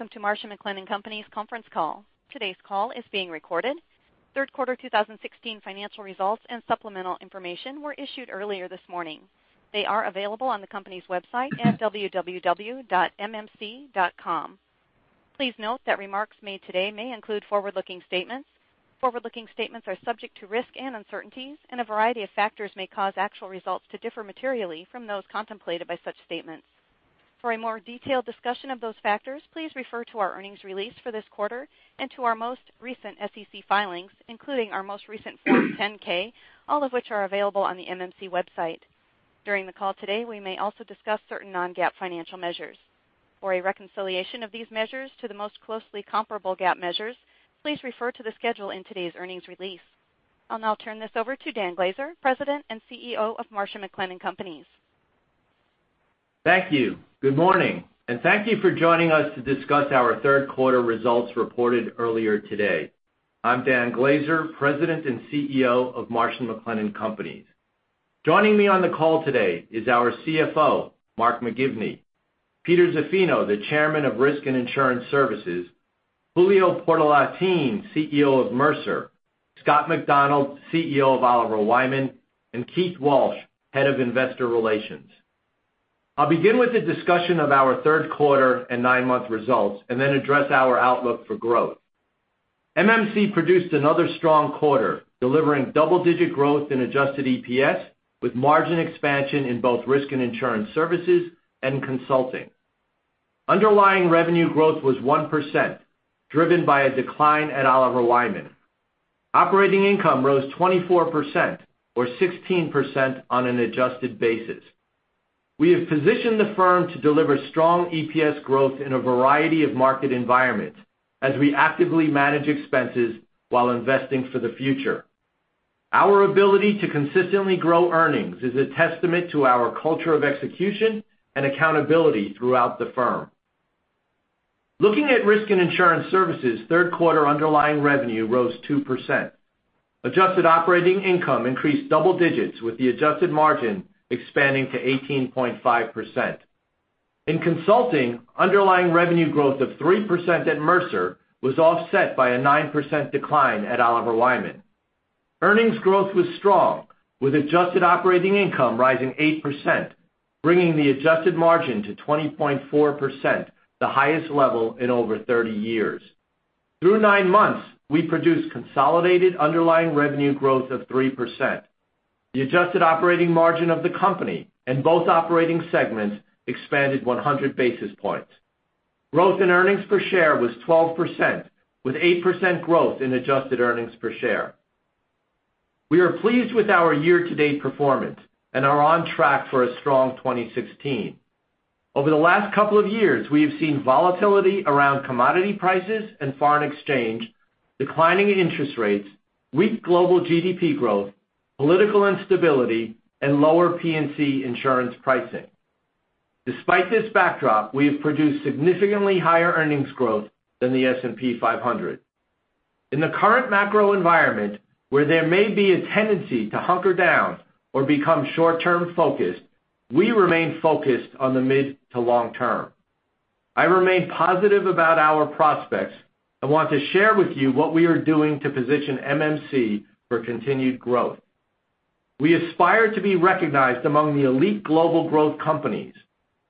Welcome to Marsh & McLennan Companies conference call. Today's call is being recorded. Third quarter 2016 financial results and supplemental information were issued earlier this morning. They are available on the company's website at www.mmc.com. Please note that remarks made today may include forward-looking statements. Forward-looking statements are subject to risk and uncertainties, and a variety of factors may cause actual results to differ materially from those contemplated by such statements. For a more detailed discussion of those factors, please refer to our earnings release for this quarter and to our most recent SEC filings, including our most recent Form 10-K, all of which are available on the MMC website. During the call today, we may also discuss certain non-GAAP financial measures. For a reconciliation of these measures to the most closely comparable GAAP measures, please refer to the schedule in today's earnings release. I'll now turn this over to Dan Glaser, President and CEO of Marsh & McLennan Companies. Thank you. Good morning, and thank you for joining us to discuss our third quarter results reported earlier today. I'm Dan Glaser, President and CEO of Marsh & McLennan Companies. Joining me on the call today is our CFO, Mark McGivney, Peter Zaffino, the Chairman of Risk and Insurance Services, Julio Portalatin, CEO of Mercer, Scott McDonald, CEO of Oliver Wyman, and Keith Walsh, Head of Investor Relations. I'll begin with a discussion of our third quarter and nine-month results and then address our outlook for growth. MMC produced another strong quarter, delivering double-digit growth in adjusted EPS, with margin expansion in both Risk and Insurance Services and consulting. Underlying revenue growth was 1%, driven by a decline at Oliver Wyman. Operating income rose 24%, or 16% on an adjusted basis. We have positioned the firm to deliver strong EPS growth in a variety of market environments as we actively manage expenses while investing for the future. Our ability to consistently grow earnings is a testament to our culture of execution and accountability throughout the firm. Looking at Risk and Insurance Services, third quarter underlying revenue rose 2%. Adjusted operating income increased double digits with the adjusted margin expanding to 18.5%. In consulting, underlying revenue growth of 3% at Mercer was offset by a 9% decline at Oliver Wyman. Earnings growth was strong, with adjusted operating income rising 8%, bringing the adjusted margin to 20.4%, the highest level in over 30 years. Through nine months, we produced consolidated underlying revenue growth of 3%. The adjusted operating margin of the company in both operating segments expanded 100 basis points. Growth in earnings per share was 12%, with 8% growth in adjusted earnings per share. We are pleased with our year-to-date performance and are on track for a strong 2016. Over the last couple of years, we have seen volatility around commodity prices and foreign exchange, declining interest rates, weak global GDP growth, political instability, and lower P&C insurance pricing. Despite this backdrop, we have produced significantly higher earnings growth than the S&P 500. In the current macro environment, where there may be a tendency to hunker down or become short-term focused, we remain focused on the mid to long term. I remain positive about our prospects and want to share with you what we are doing to position MMC for continued growth. We aspire to be recognized among the elite global growth companies.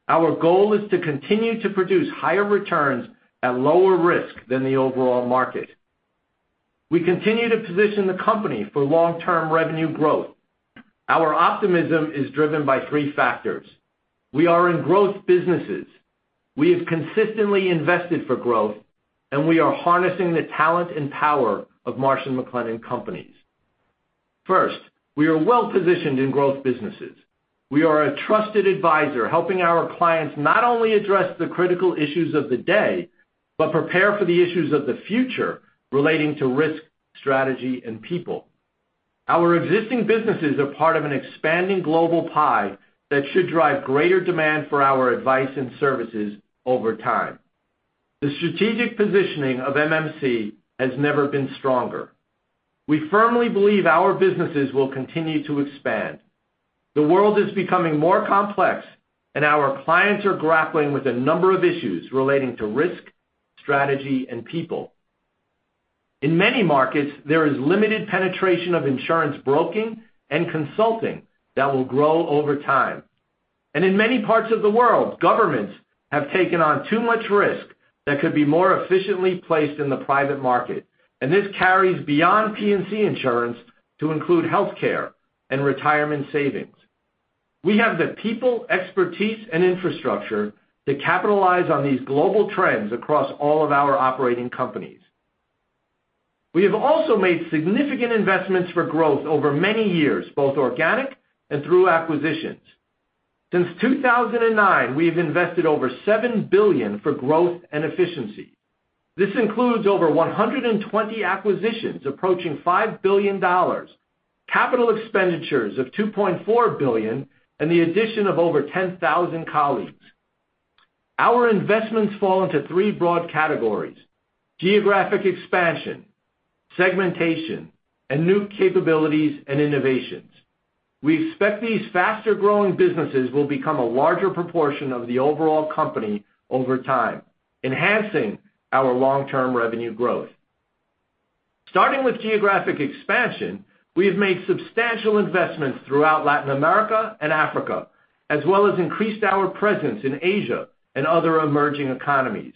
Our goal is to continue to produce higher returns at lower risk than the overall market. We continue to position the company for long-term revenue growth. Our optimism is driven by three factors. We are in growth businesses. We have consistently invested for growth, and we are harnessing the talent and power of Marsh & McLennan Companies. First, we are well-positioned in growth businesses. We are a trusted advisor, helping our clients not only address the critical issues of the day, but prepare for the issues of the future relating to risk, strategy, and people. Our existing businesses are part of an expanding global pie that should drive greater demand for our advice and services over time. The strategic positioning of MMC has never been stronger. We firmly believe our businesses will continue to expand. The world is becoming more complex, and our clients are grappling with a number of issues relating to risk, strategy, and people. In many markets, there is limited penetration of insurance broking and consulting that will grow over time. In many parts of the world, governments have taken on too much risk that could be more efficiently placed in the private market, and this carries beyond P&C insurance to include healthcare and retirement savings. We have the people, expertise, and infrastructure to capitalize on these global trends across all of our operating companies. We have also made significant investments for growth over many years, both organic and through acquisitions. Since 2009, we have invested over $7 billion for growth and efficiency. This includes over 120 acquisitions approaching $5 billion, capital expenditures of $2.4 billion, and the addition of over 10,000 colleagues. Our investments fall into three broad categories: geographic expansion, segmentation, and new capabilities and innovations. We expect these faster-growing businesses will become a larger proportion of the overall company over time, enhancing our long-term revenue growth. Starting with geographic expansion, we have made substantial investments throughout Latin America and Africa, as well as increased our presence in Asia and other emerging economies.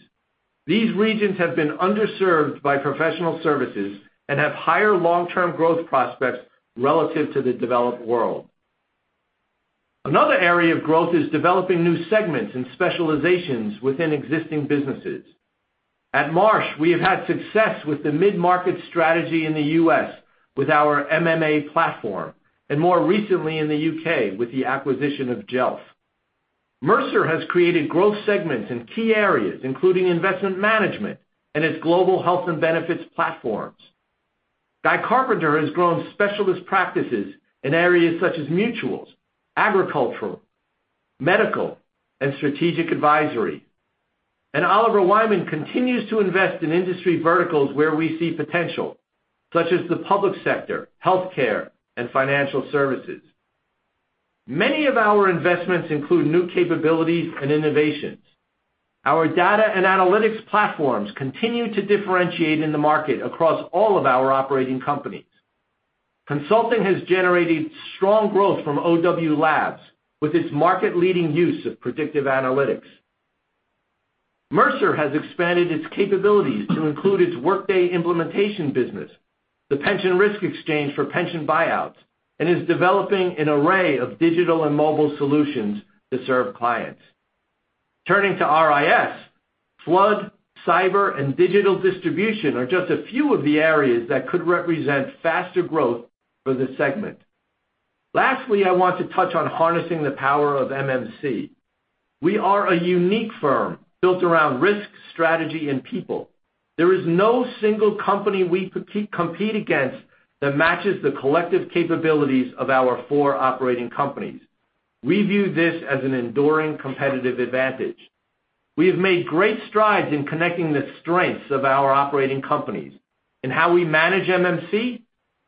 These regions have been underserved by professional services and have higher long-term growth prospects relative to the developed world. Another area of growth is developing new segments and specializations within existing businesses. At Marsh, we have had success with the mid-market strategy in the U.S. with our MMA platform, and more recently in the U.K. with the acquisition of Jelf. Mercer has created growth segments in key areas, including investment management and its global health and benefits platforms. Guy Carpenter has grown specialist practices in areas such as mutuals, agricultural, medical, and strategic advisory. Oliver Wyman continues to invest in industry verticals where we see potential, such as the public sector, healthcare, and financial services. Many of our investments include new capabilities and innovations. Our data and analytics platforms continue to differentiate in the market across all of our operating companies. Consulting has generated strong growth from OW Labs with its market-leading use of predictive analytics. Mercer has expanded its capabilities to include its Workday implementation business, the pension risk exchange for pension buyouts, and is developing an array of digital and mobile solutions to serve clients. Turning to RIS, flood, cyber, and digital distribution are just a few of the areas that could represent faster growth for this segment. Lastly, I want to touch on harnessing the power of MMC. We are a unique firm built around risk, strategy, and people. There is no single company we compete against that matches the collective capabilities of our four operating companies. We view this as an enduring competitive advantage. We have made great strides in connecting the strengths of our operating companies, in how we manage MMC,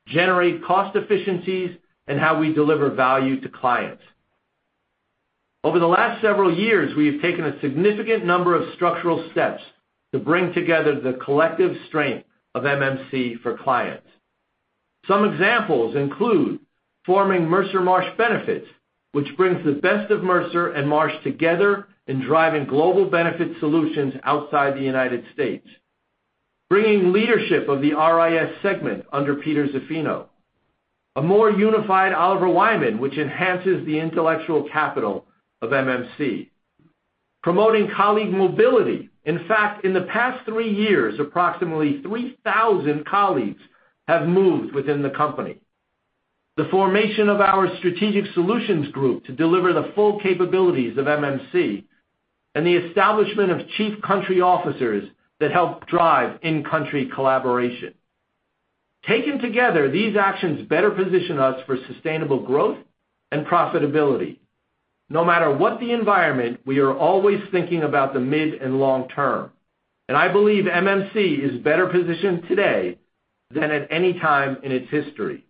generate cost efficiencies, and how we deliver value to clients. Over the last several years, we have taken a significant number of structural steps to bring together the collective strength of MMC for clients. Some examples include forming Mercer Marsh Benefits, which brings the best of Mercer and Marsh together in driving global benefit solutions outside the U.S. Bringing leadership of the RIS segment under Peter Zaffino. A more unified Oliver Wyman, which enhances the intellectual capital of MMC. Promoting colleague mobility. In fact, in the past three years, approximately 3,000 colleagues have moved within the company. The formation of our strategic solutions group to deliver the full capabilities of MMC, and the establishment of chief country officers that help drive in-country collaboration. Taken together, these actions better position us for sustainable growth and profitability. No matter what the environment, we are always thinking about the mid and long term, and I believe MMC is better positioned today than at any time in its history.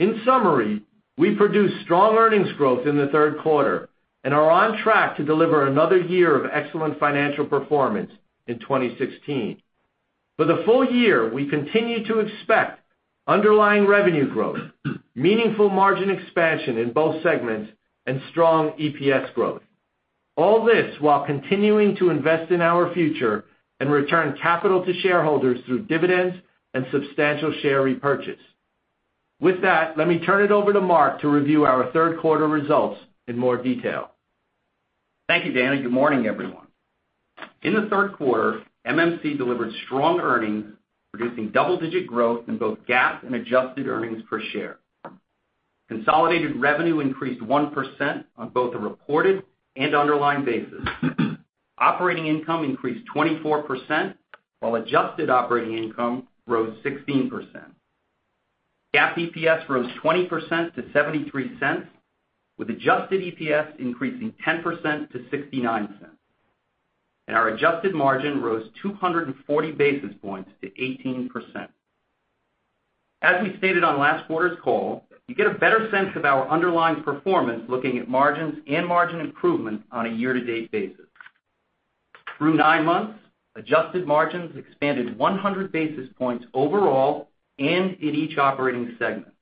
In summary, we produced strong earnings growth in the third quarter and are on track to deliver another year of excellent financial performance in 2016. For the full year, we continue to expect underlying revenue growth, meaningful margin expansion in both segments, and strong EPS growth. All this while continuing to invest in our future and return capital to shareholders through dividends and substantial share repurchase. With that, let me turn it over to Mark to review our third quarter results in more detail. Thank you, Dan, good morning, everyone. In the third quarter, MMC delivered strong earnings, producing double-digit growth in both GAAP and adjusted earnings per share. Consolidated revenue increased 1% on both a reported and underlying basis. Operating income increased 24%, while adjusted operating income rose 16%. GAAP EPS rose 20% to $0.73, with adjusted EPS increasing 10% to $0.69. Our adjusted margin rose 240 basis points to 18%. As we stated on last quarter's call, you get a better sense of our underlying performance looking at margins and margin improvement on a year-to-date basis. Through nine months, adjusted margins expanded 100 basis points overall and in each operating segment.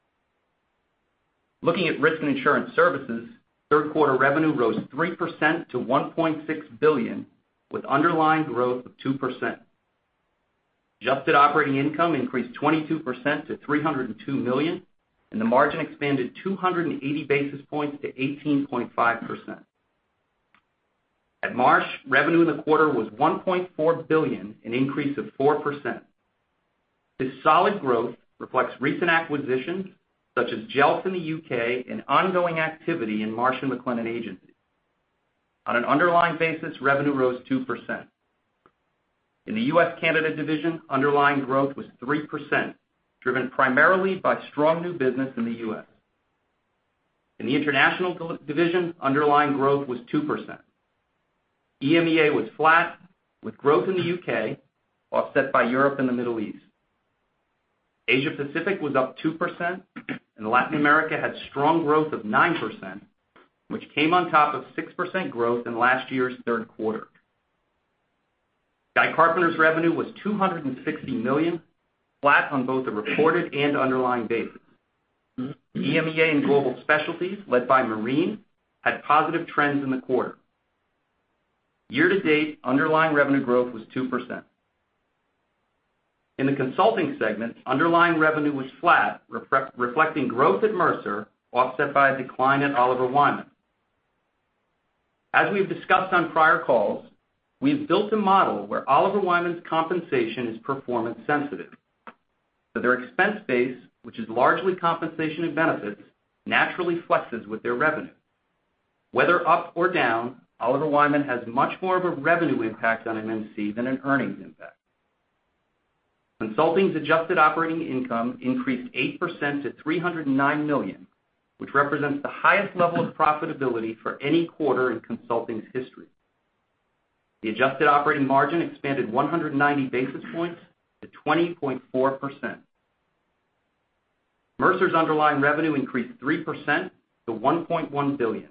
Looking at Risk and Insurance Services, third quarter revenue rose 3% to $1.6 billion, with underlying growth of 2%. Adjusted operating income increased 22% to $302 million, and the margin expanded 280 basis points to 18.5%. At Marsh, revenue in the quarter was $1.4 billion, an increase of 4%. This solid growth reflects recent acquisitions, such as Jelf in the U.K. and ongoing activity in Marsh & McLennan Agency. On an underlying basis, revenue rose 2%. In the U.S. Canada Division, underlying growth was 3%, driven primarily by strong new business in the U.S. In the International Division, underlying growth was 2%. EMEA was flat, with growth in the U.K. offset by Europe and the Middle East. Asia Pacific was up 2%, Latin America had strong growth of 9%, which came on top of 6% growth in last year's third quarter. Guy Carpenter's revenue was $260 million, flat on both a reported and underlying basis. EMEA and Global Specialties, led by Marine, had positive trends in the quarter. Year-to-date, underlying revenue growth was 2%. In the Consulting Segment, underlying revenue was flat, reflecting growth at Mercer offset by a decline at Oliver Wyman. As we've discussed on prior calls, we've built a model where Oliver Wyman's compensation is performance sensitive, so their expense base, which is largely compensation and benefits, naturally flexes with their revenue. Whether up or down, Oliver Wyman has much more of a revenue impact on MMC than an earnings impact. Consulting's adjusted operating income increased 8% to $309 million, which represents the highest level of profitability for any quarter in consulting history. The adjusted operating margin expanded 190 basis points to 20.4%. Mercer's underlying revenue increased 3% to $1.1 billion.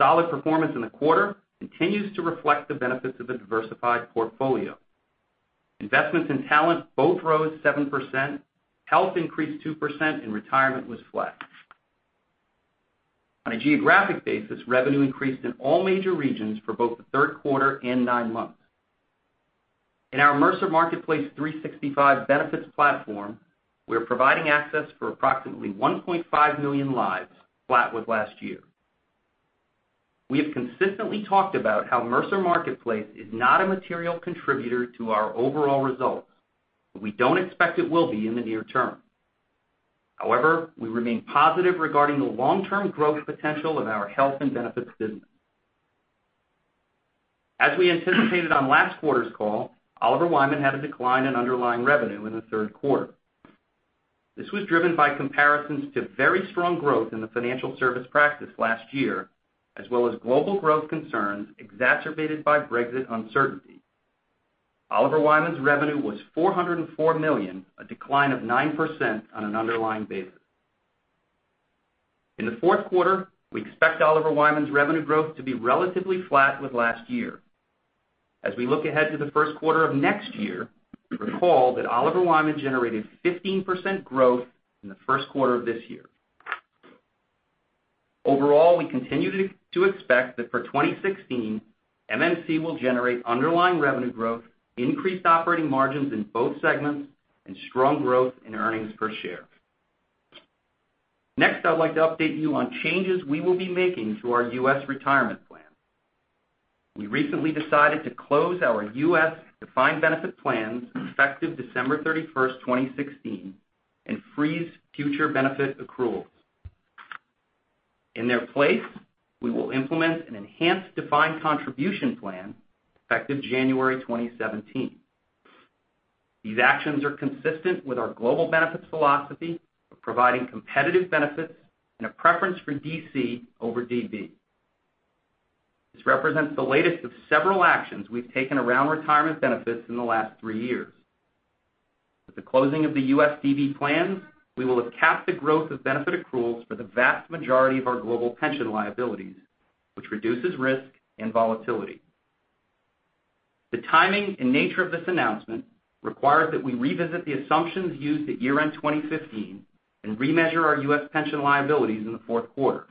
Solid performance in the quarter continues to reflect the benefits of a diversified portfolio. Investments in talent both rose 7%, health increased 2%, and retirement was flat. On a geographic basis, revenue increased in all major regions for both the third quarter and nine months. In our Mercer Marketplace 365 benefits platform, we are providing access for approximately 1.5 million lives, flat with last year. We have consistently talked about how Mercer Marketplace is not a material contributor to our overall results. We don't expect it will be in the near term. However, we remain positive regarding the long-term growth potential of our Health and Benefits business. As we anticipated on last quarter's call, Oliver Wyman had a decline in underlying revenue in the third quarter. This was driven by comparisons to very strong growth in the Financial Services practice last year, as well as global growth concerns exacerbated by Brexit uncertainty. Oliver Wyman's revenue was $404 million, a decline of 9% on an underlying basis. In the fourth quarter, we expect Oliver Wyman's revenue growth to be relatively flat with last year. As we look ahead to the first quarter of next year, recall that Oliver Wyman generated 15% growth in the first quarter of this year. Overall, we continue to expect that for 2016, MMC will generate underlying revenue growth, increased operating margins in both segments, and strong growth in EPS. Next, I'd like to update you on changes we will be making to our U.S. retirement plan. We recently decided to close our U.S. defined benefit plans effective December 31st, 2016, and freeze future benefit accruals. In their place, we will implement an enhanced defined contribution plan effective January 2017. These actions are consistent with our global benefits philosophy of providing competitive benefits and a preference for DC over DB. This represents the latest of several actions we've taken around retirement benefits in the last three years. With the closing of the U.S. DB plans, we will have capped the growth of benefit accruals for the vast majority of our global pension liabilities, which reduces risk and volatility. The timing and nature of this announcement requires that we revisit the assumptions used at year-end 2015 and remeasure our U.S. pension liabilities in the fourth quarter.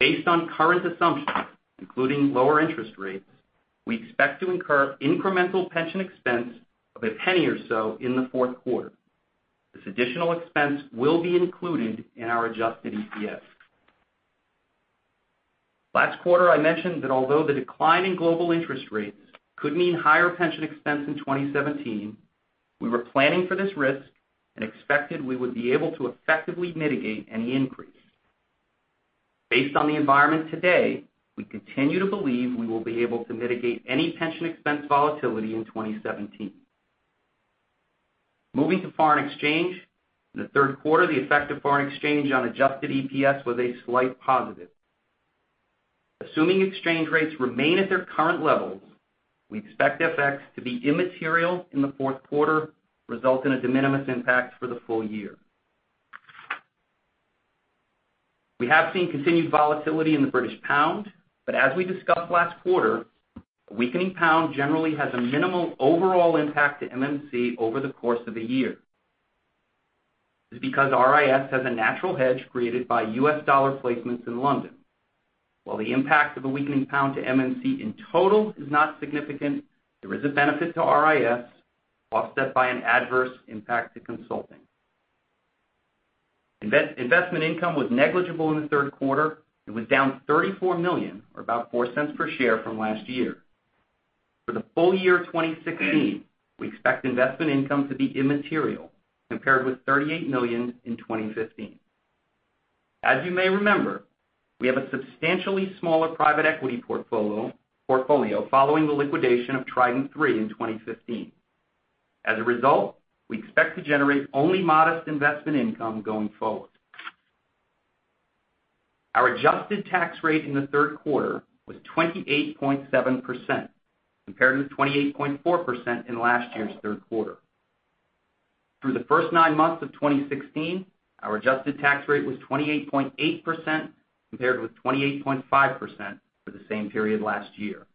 Based on current assumptions, including lower interest rates, we expect to incur incremental pension expense of $0.01 or so in the fourth quarter. This additional expense will be included in our adjusted EPS. Last quarter, I mentioned that although the decline in global interest rates could mean higher pension expense in 2017, we were planning for this risk and expected we would be able to effectively mitigate any increase. Based on the environment today, we continue to believe we will be able to mitigate any pension expense volatility in 2017. Moving to foreign exchange. In the third quarter, the effect of foreign exchange on adjusted EPS was a slight positive. Assuming exchange rates remain at their current levels, we expect FX to be immaterial in the fourth quarter, resulting in a de minimis impact for the full year. We have seen continued volatility in the British pound, but as we discussed last quarter, a weakening pound generally has a minimal overall impact to MMC over the course of a year. This is because RIS has a natural hedge created by U.S. dollar placements in London. While the impact of a weakening pound to MMC in total is not significant, there is a benefit to RIS offset by an adverse impact to consulting. Investment income was negligible in the third quarter. It was down $34 million, or about $0.04 per share from last year. For the full year 2016, we expect investment income to be immaterial compared with $38 million in 2015. As you may remember, we have a substantially smaller private equity portfolio following the liquidation of Trident Three in 2015. As a result, we expect to generate only modest investment income going forward. Our adjusted tax rate in the third quarter was 28.7%, compared with 28.4% in last year's third quarter. Through the first nine months of 2016, our adjusted tax rate was 28.8%, compared with 28.5% for the same period last year.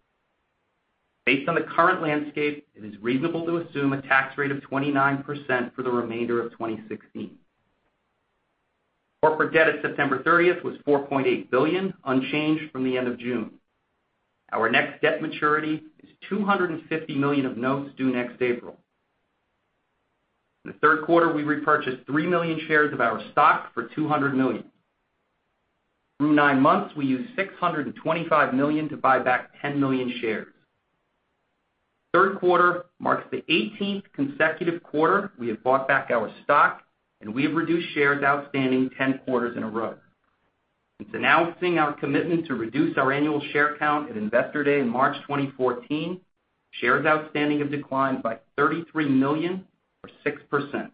Based on the current landscape, it is reasonable to assume a tax rate of 29% for the remainder of 2016. Corporate debt at September 30th was $4.8 billion, unchanged from the end of June. Our next debt maturity is $250 million of notes due next April. In the third quarter, we repurchased 3 million shares of our stock for $200 million. Through nine months, we used $625 million to buy back 10 million shares. Third quarter marks the 18th consecutive quarter we have bought back our stock, and we have reduced shares outstanding 10 quarters in a row. Since announcing our commitment to reduce our annual share count at Investor Day in March 2014, shares outstanding have declined by 33 million, or 6%.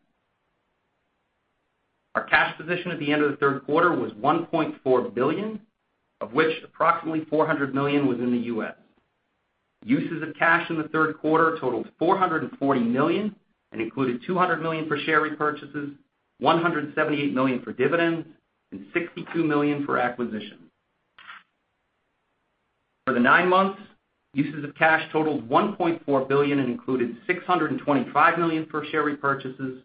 Our cash position at the end of the third quarter was $1.4 billion, of which approximately $400 million was in the U.S. Uses of cash in the third quarter totaled $440 million and included $200 million for share repurchases, $178 million for dividends, and $62 million for acquisitions. For the nine months, uses of cash totaled $1.4 billion and included $625 million for share repurchases,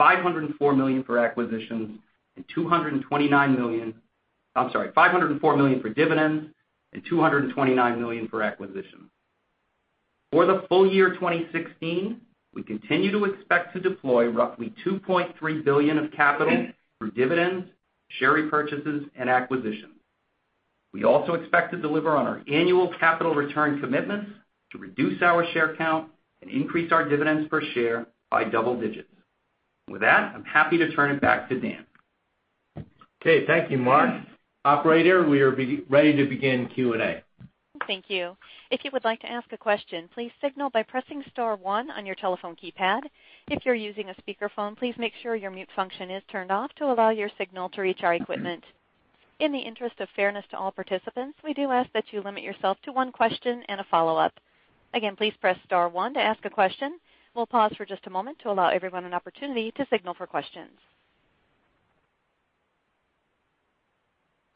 $504 million for dividends and $229 million for acquisitions. For the full year 2016, we continue to expect to deploy roughly $2.3 billion of capital through dividends, share repurchases, and acquisitions. We also expect to deliver on our annual capital return commitments to reduce our share count and increase our dividends per share by double digits. With that, I'm happy to turn it back to Dan. Okay. Thank you, Mark. Operator, we are ready to begin Q&A. Thank you. If you would like to ask a question, please signal by pressing star one on your telephone keypad. If you're using a speakerphone, please make sure your mute function is turned off to allow your signal to reach our equipment. In the interest of fairness to all participants, we do ask that you limit yourself to one question and a follow-up. Again, please press star one to ask a question. We'll pause for just a moment to allow everyone an opportunity to signal for questions.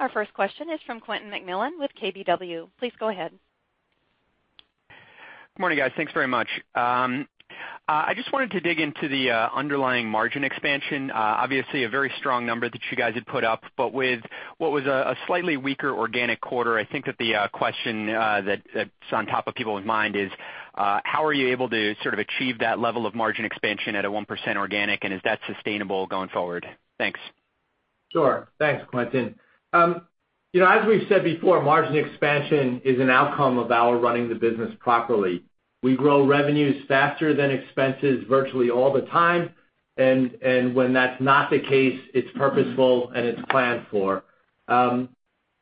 Our first question is from Quentin McMillan with KBW. Please go ahead. Good morning, guys. Thanks very much. I just wanted to dig into the underlying margin expansion. Obviously, a very strong number that you guys had put up, but with what was a slightly weaker organic quarter, I think that the question that's on top of people's mind is how are you able to achieve that level of margin expansion at a 1% organic, and is that sustainable going forward? Thanks. Sure. Thanks, Quentin. As we've said before, margin expansion is an outcome of our running the business properly. We grow revenues faster than expenses virtually all the time, and when that's not the case, it's purposeful and it's planned for.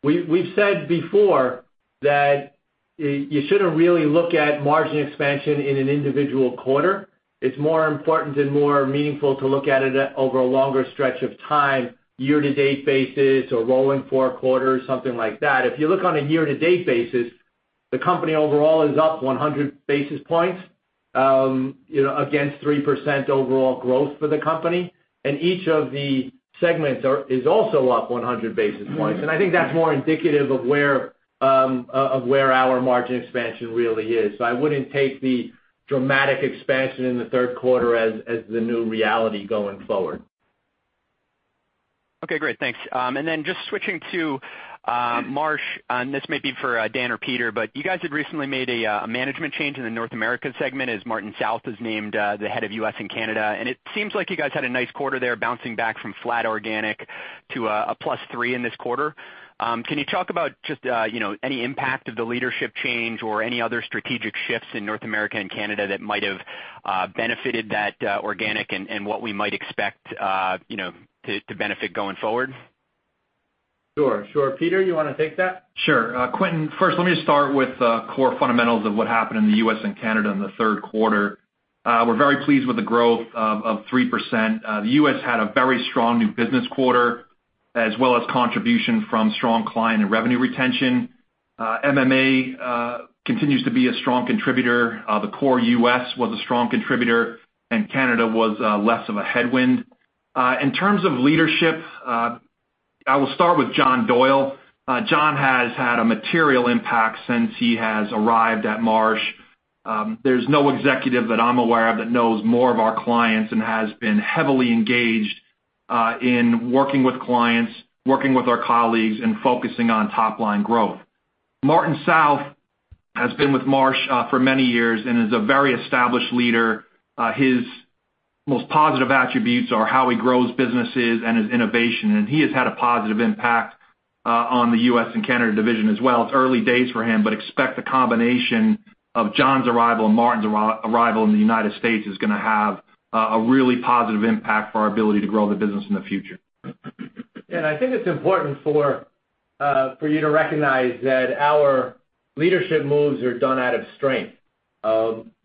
We've said before that you shouldn't really look at margin expansion in an individual quarter. It's more important and more meaningful to look at it over a longer stretch of time, year-to-date basis or rolling four quarters, something like that. If you look on a year-to-date basis, the company overall is up 100 basis points against 3% overall growth for the company, and each of the segments is also up 100 basis points. I think that's more indicative of where our margin expansion really is. I wouldn't take the dramatic expansion in the third quarter as the new reality going forward. Okay, great. Thanks. Just switching to Marsh, and this may be for Dan or Peter, but you guys had recently made a management change in the North America segment as Martin South was named the head of U.S. and Canada, and it seems like you guys had a nice quarter there, bouncing back from flat organic to a +3 in this quarter. Can you talk about just any impact of the leadership change or any other strategic shifts in North America and Canada that might have benefited that organic and what we might expect to benefit going forward? Sure. Peter, you want to take that? Sure. Quentin, first, let me start with core fundamentals of what happened in the U.S. and Canada in the third quarter. We're very pleased with the growth of 3%. The U.S. had a very strong new business quarter, as well as contribution from strong client and revenue retention. MMA continues to be a strong contributor. The core U.S. was a strong contributor, and Canada was less of a headwind. In terms of leadership, I will start with John Doyle. John has had a material impact since he has arrived at Marsh. There's no executive that I'm aware that knows more of our clients and has been heavily engaged in working with clients, working with our colleagues, and focusing on top-line growth. Martin South has been with Marsh for many years and is a very established leader. His most positive attributes are how he grows businesses and his innovation. He has had a positive impact on the U.S. and Canada division as well. It's early days for him, but expect the combination of John's arrival and Martin's arrival in the United States is going to have a really positive impact for our ability to grow the business in the future. I think it's important for you to recognize that our leadership moves are done out of strength.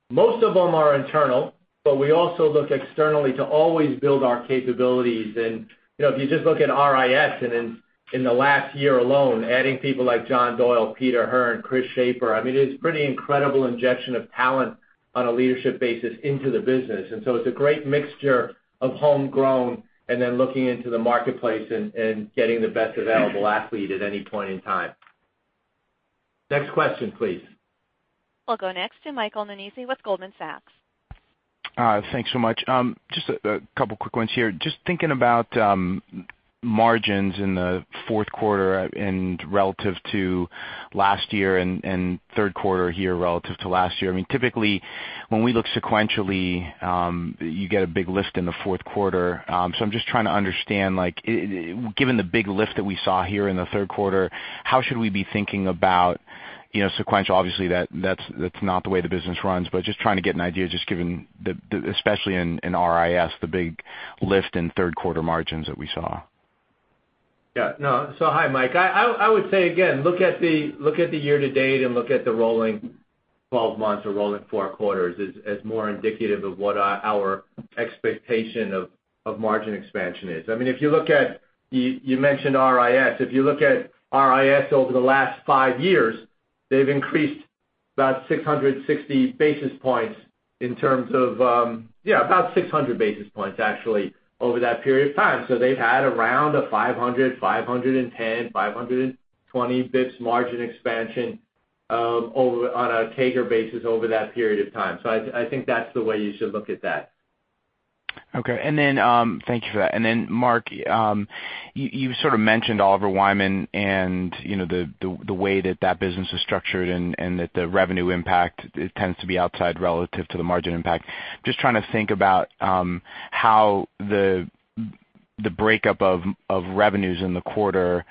Most of them are internal. We also look externally to always build our capabilities. If you just look at RIS and in the last year alone, adding people like John Doyle, Peter Hearn, Chris Lay, it is pretty incredible injection of talent on a leadership basis into the business. It's a great mixture of homegrown and then looking into the marketplace and getting the best available athlete at any point in time. Next question, please. We'll go next to Michael Nannizzi with Goldman Sachs. Thanks so much. Just a couple quick ones here. Just thinking about margins in the fourth quarter and relative to last year and third quarter here relative to last year. Typically, when we look sequentially, you get a big lift in the fourth quarter. I'm just trying to understand, given the big lift that we saw here in the third quarter, how should we be thinking about sequential? Just trying to get an idea, just given, especially in RIS, the big lift in third quarter margins that we saw. Yeah. No. Hi, Mike. I would say again, look at the year to date and look at the rolling 12 months or rolling four quarters as more indicative of what our expectation of margin expansion is. If you look at, you mentioned RIS. If you look at RIS over the last five years, they've increased about 660 basis points in terms of, yeah, about 600 basis points, actually, over that period of time. They've had around a 500, 510, 520 basis points margin expansion on a CAGR basis over that period of time. I think that's the way you should look at that. Okay. Thank you for that. Mark, you sort of mentioned Oliver Wyman and the way that that business is structured and that the revenue impact tends to be outside relative to the margin impact. Just trying to think about how the breakup of revenues in the quarter,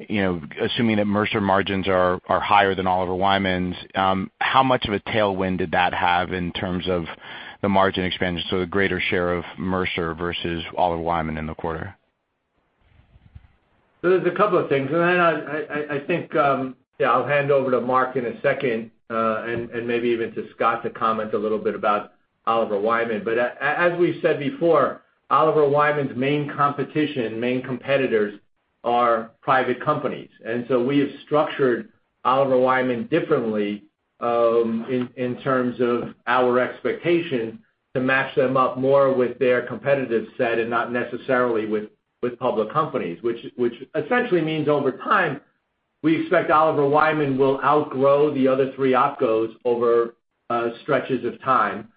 assuming that Mercer margins are higher than Oliver Wyman's, how much of a tailwind did that have in terms of the margin expansion, so the greater share of Mercer versus Oliver Wyman in the quarter? There's a couple of things. I think, yeah, I'll hand over to Mark in a second, and maybe even to Scott to comment a little bit about Oliver Wyman. As we've said before, Oliver Wyman's main competition, main competitors, are private companies. We have structured Oliver Wyman differently, in terms of our expectation to match them up more with their competitive set and not necessarily with public companies, which essentially means over time, we expect Oliver Wyman will outgrow the other three opcos over stretches of time.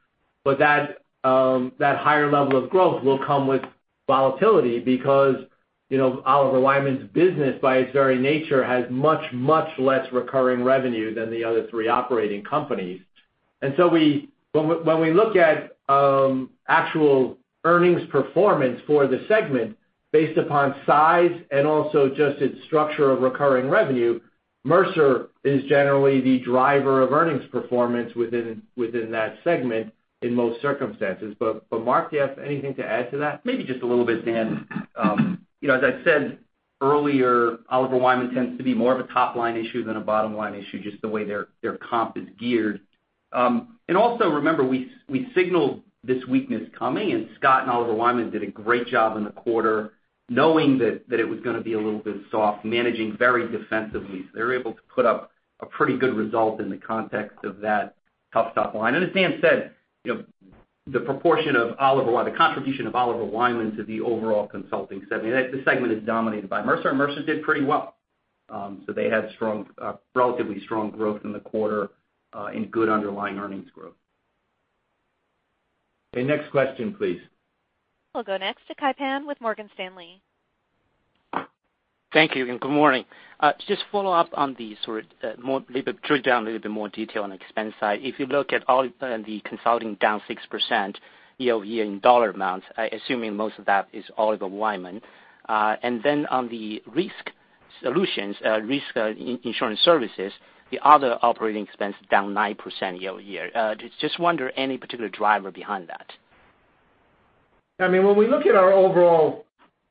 That higher level of growth will come with volatility because Oliver Wyman's business, by its very nature, has much, much less recurring revenue than the other three operating companies. When we look at actual earnings performance for the segment based upon size and also just its structure of recurring revenue, Mercer is generally the driver of earnings performance within that segment in most circumstances. Mark, do you have anything to add to that? Maybe just a little bit, Dan. As I said earlier, Oliver Wyman tends to be more of a top-line issue than a bottom-line issue, just the way their comp is geared. Also, remember, we signaled this weakness coming, and Scott and Oliver Wyman did a great job in the quarter knowing that it was going to be a little bit soft, managing very defensively. They were able to put up a pretty good result in the context of that tough top line. As Dan said, the proportion of Oliver Wyman, the contribution of Oliver Wyman to the overall consulting segment, the segment is dominated by Mercer, and Mercer did pretty well. They had relatively strong growth in the quarter, and good underlying earnings growth. Okay, next question, please. We'll go next to Kai Pan with Morgan Stanley. Thank you, good morning. Follow up on the sort of, drill down a little bit more detail on the expense side. If you look at all the consulting down 6% year-over-year in dollar amounts, assuming most of that is Oliver Wyman. On the risk solutions, Risk and Insurance Services, the other operating expense down 9% year-over-year. Wonder any particular driver behind that? When we look at our overall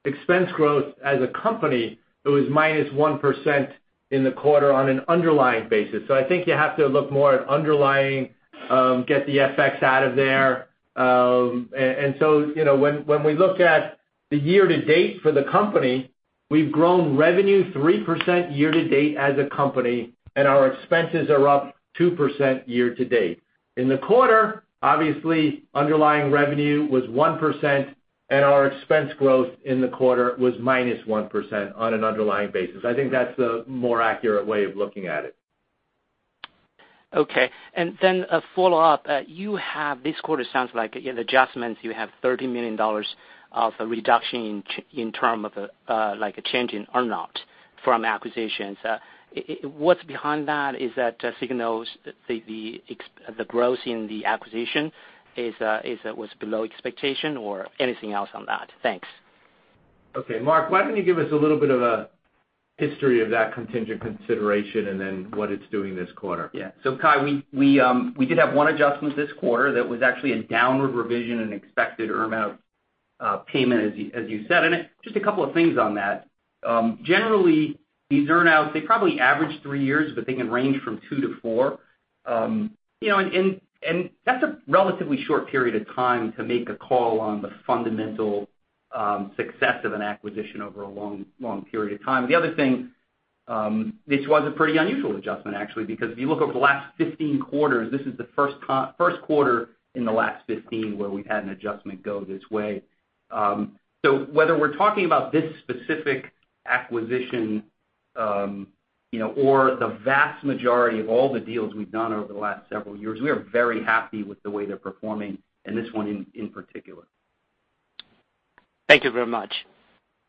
expense growth as a company, it was minus 1% in the quarter on an underlying basis. I think you have to look more at underlying, get the FX out of there. When we look at the year-to-date for the company, we've grown revenue 3% year-to-date as a company, and our expenses are up 2% year-to-date. In the quarter, obviously, underlying revenue was 1%, and our expense growth in the quarter was minus 1% on an underlying basis. I think that's the more accurate way of looking at it. Okay. A follow-up. You have this quarter sounds like in adjustments you have $30 million of reduction in term of like a change in earn-out from acquisitions. What's behind that? Is that signals the growth in the acquisition was below expectation or anything else on that? Thanks. Okay. Mark, why don't you give us a little bit of a history of that contingent consideration and then what it's doing this quarter? Yeah. Kai, we did have one adjustment this quarter that was actually a downward revision in expected earn-out Payment, as you said. Just a couple of things on that. Generally, these earn-outs, they probably average three years, but they can range from two to four. That's a relatively short period of time to make a call on the fundamental success of an acquisition over a long period of time. The other thing, this was a pretty unusual adjustment actually, because if you look over the last 15 quarters, this is the first quarter in the last 15 where we've had an adjustment go this way. Whether we're talking about this specific acquisition, or the vast majority of all the deals we've done over the last several years, we are very happy with the way they're performing and this one in particular. Thank you very much.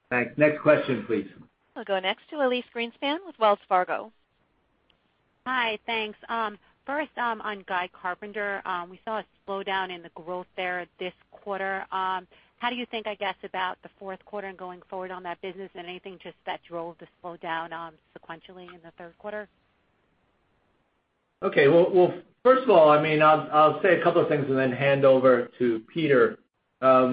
Thanks. Next question, please. We'll go next to Elyse Greenspan with Wells Fargo. Hi, thanks. First on Guy Carpenter, we saw a slowdown in the growth there this quarter. How do you think, I guess, about the fourth quarter and going forward on that business, and anything just that drove the slowdown sequentially in the third quarter? Okay. Well, first of all, I'll say a couple of things and then hand over to Peter. I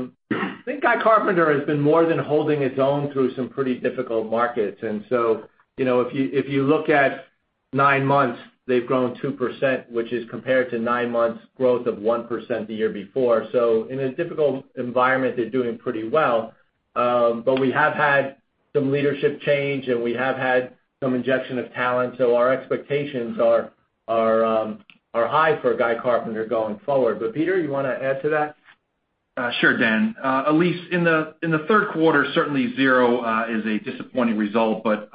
think Guy Carpenter has been more than holding its own through some pretty difficult markets. If you look at nine months, they've grown 2%, which is compared to nine months growth of 1% the year before. In a difficult environment, they're doing pretty well. We have had some leadership change, and we have had some injection of talent, so our expectations are high for Guy Carpenter going forward. Peter, you want to add to that? Sure, Dan. Elyse, in the third quarter, certainly zero is a disappointing result, but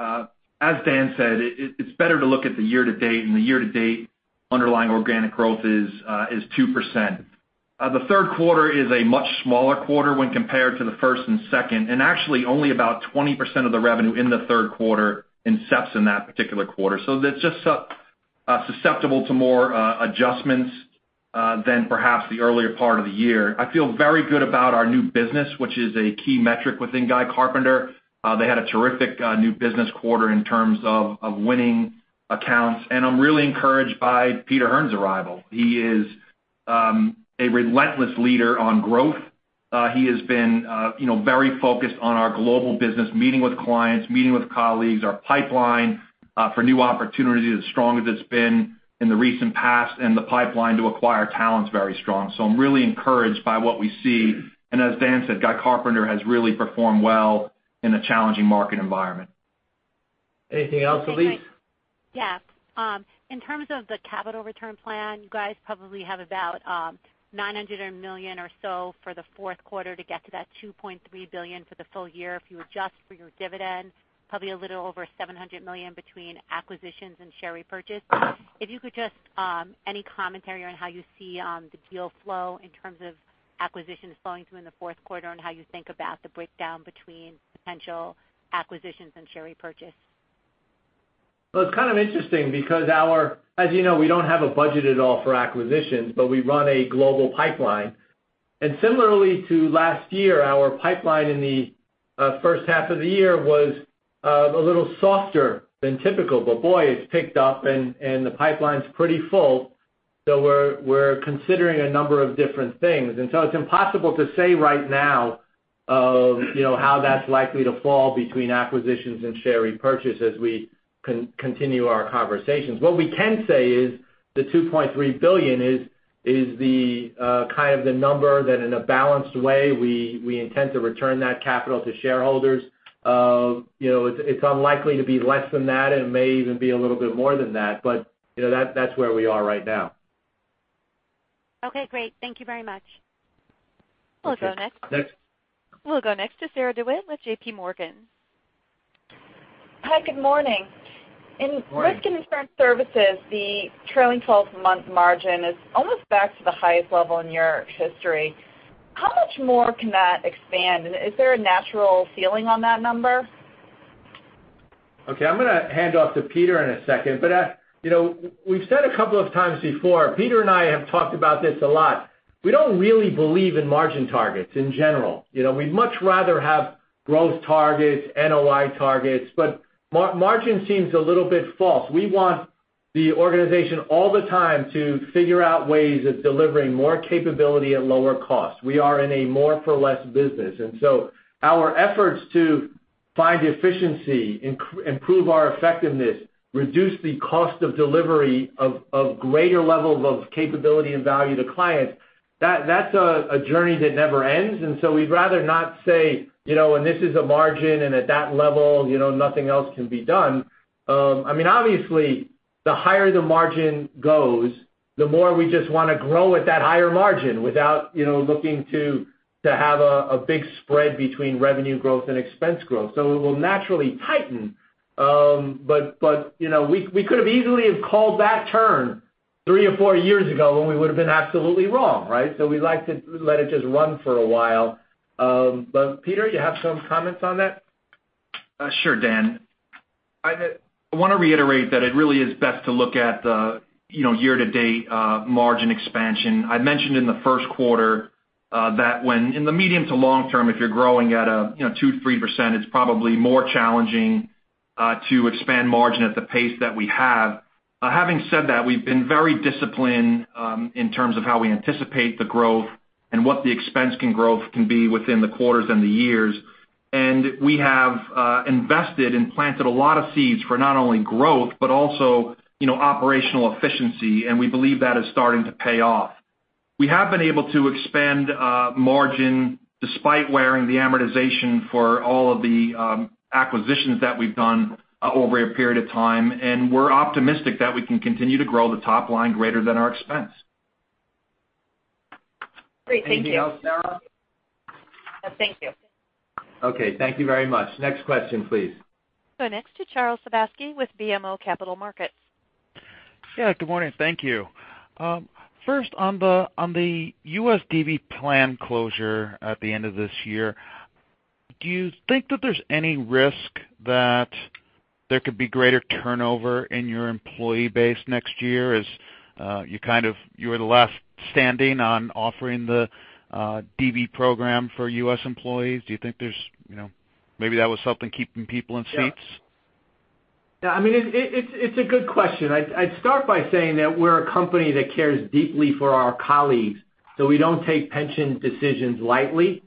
as Dan said, it's better to look at the year to date, and the year to date underlying organic growth is 2%. The third quarter is a much smaller quarter when compared to the first and second, and actually only about 20% of the revenue in the third quarter incepts in that particular quarter. It's just susceptible to more adjustments than perhaps the earlier part of the year. I feel very good about our new business, which is a key metric within Guy Carpenter. They had a terrific new business quarter in terms of winning accounts, and I'm really encouraged by Peter Hearn's arrival. He is a relentless leader on growth. He has been very focused on our global business, meeting with clients, meeting with colleagues. Our pipeline for new opportunities is as strong as it's been in the recent past, and the pipeline to acquire talent is very strong. I'm really encouraged by what we see. As Dan said, Guy Carpenter has really performed well in a challenging market environment. Anything else, Elyse? In terms of the capital return plan, you guys probably have about $900 million or so for the fourth quarter to get to that $2.3 billion for the full year if you adjust for your dividend, probably a little over $700 million between acquisitions and share repurchase. If you could just, any commentary on how you see the deal flow in terms of acquisitions flowing through in the fourth quarter, and how you think about the breakdown between potential acquisitions and share repurchase? Well, it's kind of interesting because as you know, we don't have a budget at all for acquisitions, but we run a global pipeline. Similarly to last year, our pipeline in the first half of the year was a little softer than typical, but boy, it's picked up, and the pipeline's pretty full. We're considering a number of different things. It's impossible to say right now how that's likely to fall between acquisitions and share repurchase as we continue our conversations. What we can say is the $2.3 billion is the kind of the number that in a balanced way, we intend to return that capital to shareholders. It's unlikely to be less than that and may even be a little bit more than that, but that's where we are right now. Okay, great. Thank you very much. Okay, next. We'll go next to Sarah DeWitt with J.P. Morgan. Hi, good morning. Good morning. In Risk and Insurance Services, the trailing 12-month margin is almost back to the highest level in your history. How much more can that expand? Is there a natural ceiling on that number? Okay. I'm going to hand off to Peter in a second. We've said a couple of times before, Peter and I have talked about this a lot, we don't really believe in margin targets in general. We'd much rather have growth targets, NOI targets, margin seems a little bit false. We want the organization all the time to figure out ways of delivering more capability at lower cost. We are in a more for less business, our efforts to find efficiency, improve our effectiveness, reduce the cost of delivery of greater levels of capability and value to clients, that's a journey that never ends. We'd rather not say, this is a margin, at that level nothing else can be done. Obviously, the higher the margin goes, the more we just want to grow at that higher margin without looking to have a big spread between revenue growth and expense growth. It will naturally tighten. We could have easily have called that turn three or four years ago when we would've been absolutely wrong, right? We like to let it just run for a while. Peter, you have some comments on that? Sure, Dan. I want to reiterate that it really is best to look at the year-to-date margin expansion. I mentioned in the first quarter that when in the medium to long term, if you're growing at a 2%, 3%, it's probably more challenging to expand margin at the pace that we have. Having said that, we've been very disciplined in terms of how we anticipate the growth and what the expense growth can be within the quarters and the years. We have invested and planted a lot of seeds for not only growth, but also operational efficiency, and we believe that is starting to pay off. We have been able to expand margin despite wearing the amortization for all of the acquisitions that we've done over a period of time, and we're optimistic that we can continue to grow the top line greater than our expense. Great. Thank you. Anything else, Sarah? No, thank you. Okay. Thank you very much. Next question, please. Next to Charles Sebaski with BMO Capital Markets. Yeah, good morning. Thank you. First, on the U.S. DB plan closure at the end of this year, do you think that there's any risk that there could be greater turnover in your employee base next year as you were the last standing on offering the DB program for U.S. employees? Do you think maybe that was something keeping people in seats? Yeah. It's a good question. I'd start by saying that we're a company that cares deeply for our colleagues, so we don't take pension decisions lightly.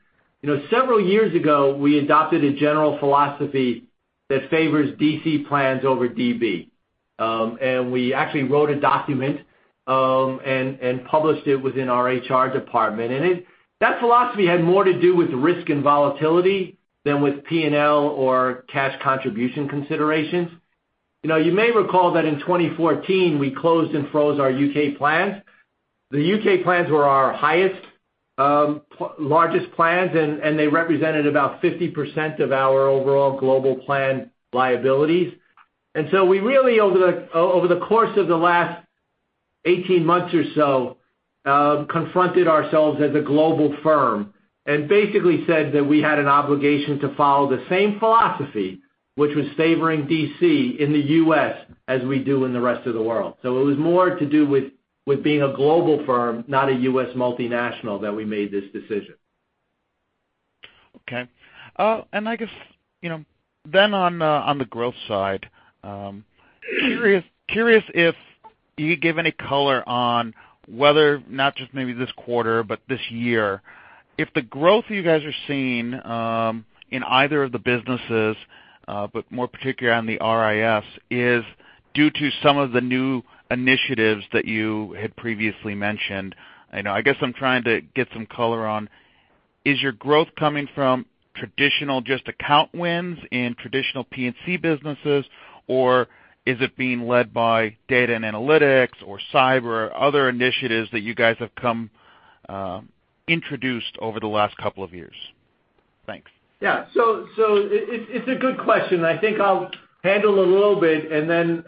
Several years ago, we adopted a general philosophy that favors DC plans over DB. We actually wrote a document and published it within our HR department. That philosophy had more to do with risk and volatility than with P&L or cash contribution considerations. You may recall that in 2014, we closed and froze our U.K. plans. The U.K. plans were our highest, largest plans, and they represented about 50% of our overall global plan liabilities. We really, over the course of the last 18 months or so, confronted ourselves as a global firm and basically said that we had an obligation to follow the same philosophy, which was favoring DC in the U.S. as we do in the rest of the world. It was more to do with being a global firm, not a U.S. multinational, that we made this decision. Okay. On the growth side, curious if you could give any color on whether, not just maybe this quarter, but this year, if the growth you guys are seeing in either of the businesses, but more particularly on the RIS, is due to some of the new initiatives that you had previously mentioned. I guess I'm trying to get some color on, is your growth coming from traditional just account wins and traditional P&C businesses, or is it being led by data and analytics or cyber or other initiatives that you guys have introduced over the last couple of years? Thanks. Yeah. It's a good question, I think I'll handle a little bit and then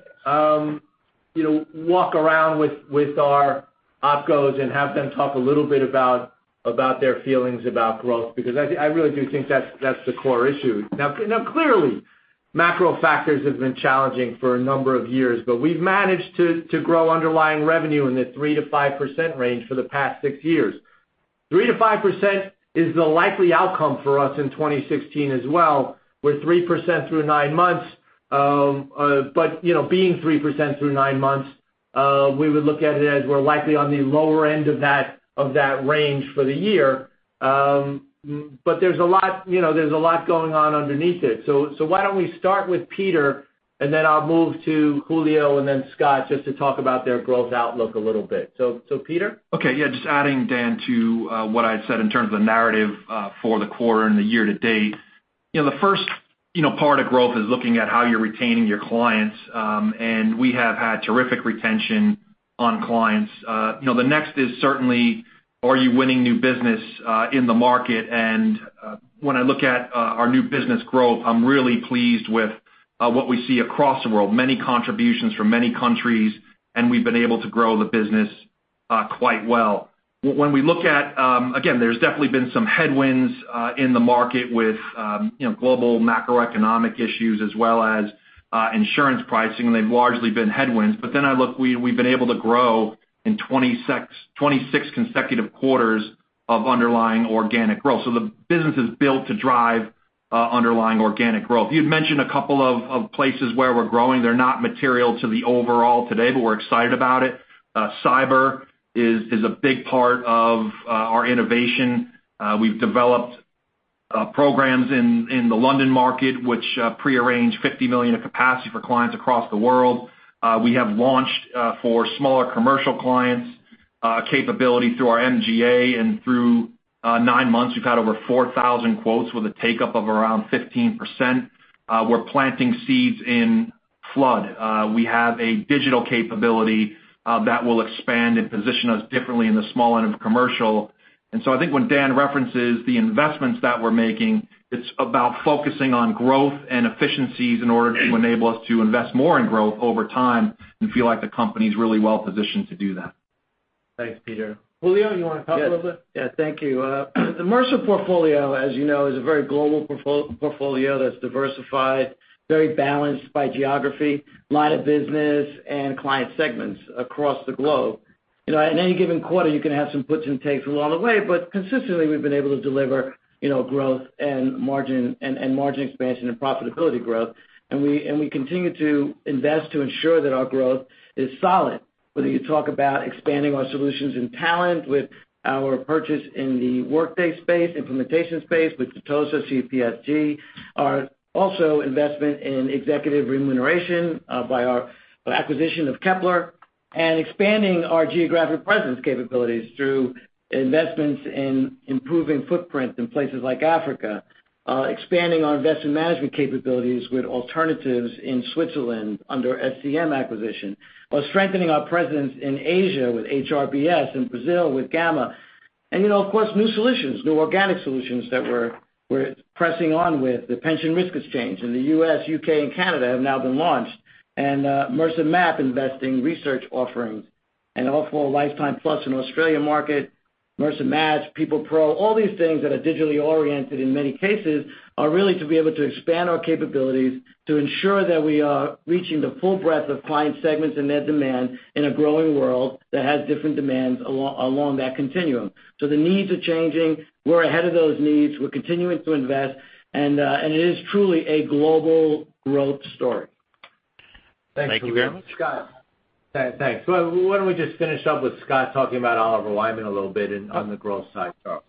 walk around with our opcos and have them talk a little bit about their feelings about growth, because I really do think that's the core issue. Now, clearly, macro factors have been challenging for a number of years, but we've managed to grow underlying revenue in the 3%-5% range for the past 6 years. 3%-5% is the likely outcome for us in 2016 as well. We're 3% through 9 months. Being 3% through 9 months, we would look at it as we're likely on the lower end of that range for the year. There's a lot going on underneath it. Why don't we start with Peter, then I'll move to Julio and then Scott just to talk about their growth outlook a little bit. Peter? Okay. Yeah, just adding, Dan, to what I had said in terms of the narrative for the quarter and the year to date. The first part of growth is looking at how you're retaining your clients, we have had terrific retention on clients. The next is certainly, are you winning new business in the market? When I look at our new business growth, I'm really pleased with what we see across the world. Many contributions from many countries, we've been able to grow the business quite well. There's definitely been some headwinds in the market with global macroeconomic issues as well as insurance pricing, they've largely been headwinds. I look, we've been able to grow in 26 consecutive quarters of underlying organic growth. The business is built to drive underlying organic growth. You'd mentioned a couple of places where we're growing. They're not material to the overall today, but we're excited about it. Cyber is a big part of our innovation. We've developed programs in the London market, which pre-arranged $50 million of capacity for clients across the world. We have launched for smaller commercial clients, capability through our MGA, and through nine months, we've had over 4,000 quotes with a take-up of around 15%. We're planting seeds in flood. We have a digital capability that will expand and position us differently in the small end of commercial. I think when Dan references the investments that we're making, it's about focusing on growth and efficiencies in order to enable us to invest more in growth over time and feel like the company's really well-positioned to do that. Thanks, Peter. Julio, you want to talk a little bit? Yes. Thank you. The Mercer portfolio, as you know, is a very global portfolio that's diversified, very balanced by geography, line of business, and client segments across the globe. In any given quarter, you can have some puts and takes along the way, but consistently, we've been able to deliver growth and margin expansion and profitability growth. We continue to invest to ensure that our growth is solid, whether you talk about expanding our solutions in talent with our purchase in the Workday space, implementation space with Jeitosa, CPSG Partners. Our investment in executive remuneration by our acquisition of Kepler, expanding our geographic presence capabilities through investments in improving footprint in places like Africa, expanding our investment management capabilities with alternatives in Switzerland under SCM acquisition. Strengthening our presence in Asia with HRBS, in Brazil with Gama. New solutions, new organic solutions that we're pressing on with. The Mercer Pension Risk Exchange in the U.S., U.K., and Canada have now been launched. Mercer MAPP investment research offerings, and also Mercer LifetimePlus in Australian market, Mercer Match, Mercer PeoplePro. All these things that are digitally oriented in many cases are really to be able to expand our capabilities to ensure that we are reaching the full breadth of client segments and their demand in a growing world that has different demands along that continuum. The needs are changing. We're ahead of those needs. We're continuing to invest. It is truly a global growth story. Thank you very much. Scott. Thanks. Why don't we just finish up with Scott talking about Oliver Wyman a little bit and on the growth side, Scott.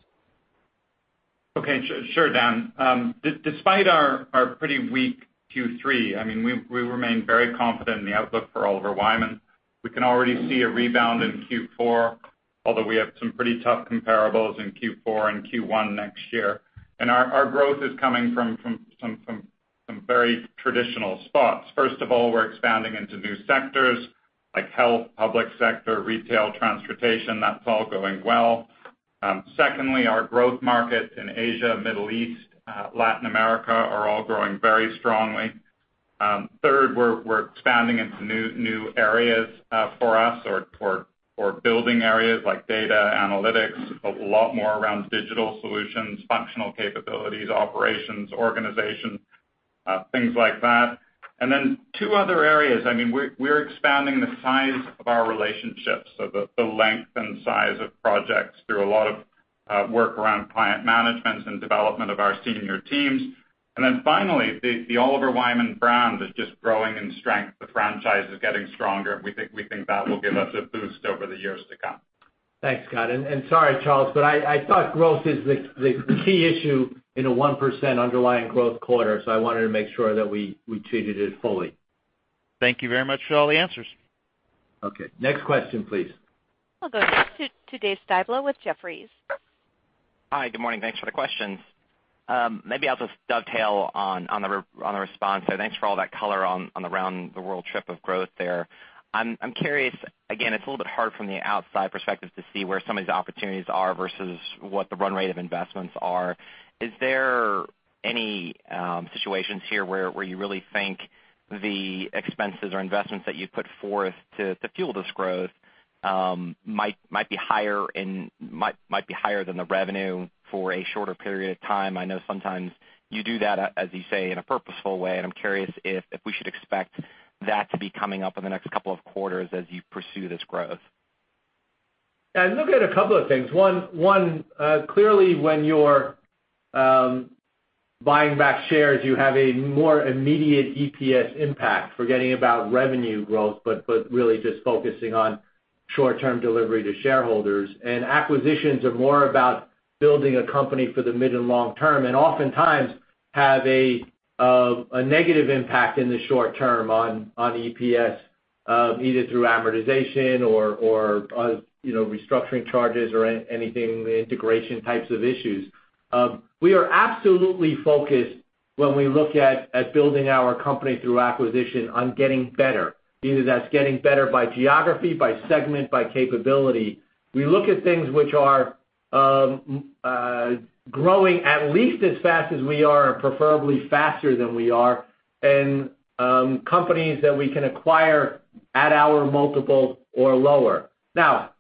Okay. Sure, Dan. Despite our pretty weak Q3, we remain very confident in the outlook for Oliver Wyman. We can already see a rebound in Q4, although we have some pretty tough comparables in Q4 and Q1 next year. Our growth is coming from some very traditional spots. First of all, we're expanding into new sectors like health, public sector, retail, transportation. That's all going well. Secondly, our growth markets in Asia, Middle East, Latin America are all growing very strongly. Third, we're expanding into new areas for us, or building areas like data analytics, a lot more around digital solutions, functional capabilities, operations, organization, things like that. Two other areas, we're expanding the size of our relationships, so the length and size of projects through a lot of work around client management and development of our senior teams. Finally, the Oliver Wyman brand is just growing in strength. The franchise is getting stronger. We think that will give us a boost over the years to come. Thanks, Scott. Sorry, Charles, but I thought growth is the key issue in a 1% underlying growth quarter. I wanted to make sure that we treated it fully. Thank you very much for all the answers. Okay. Next question, please. I'll go next to Dave Styblo with Jefferies. Hi, good morning. Thanks for the questions. Maybe I'll just dovetail on the response. Thanks for all that color on the round-the-world trip of growth there. I'm curious, again, it's a little bit hard from the outside perspective to see where some of these opportunities are versus what the run rate of investments are. Is there any situations here where you really think the expenses or investments that you put forth to fuel this growth might be higher than the revenue for a shorter period of time? I know sometimes you do that, as you say, in a purposeful way, and I'm curious if we should expect that to be coming up in the next couple of quarters as you pursue this growth. Yeah, look at a couple of things. One, clearly when you're buying back shares, you have a more immediate EPS impact, forgetting about revenue growth, but really just focusing on short-term delivery to shareholders. Acquisitions are more about building a company for the mid and long term, and oftentimes have a negative impact in the short term on EPS, either through amortization or restructuring charges or anything, the integration types of issues. We are absolutely focused when we look at building our company through acquisition on getting better, either that's getting better by geography, by segment, by capability. We look at things which are growing at least as fast as we are, preferably faster than we are, and companies that we can acquire at our multiple or lower.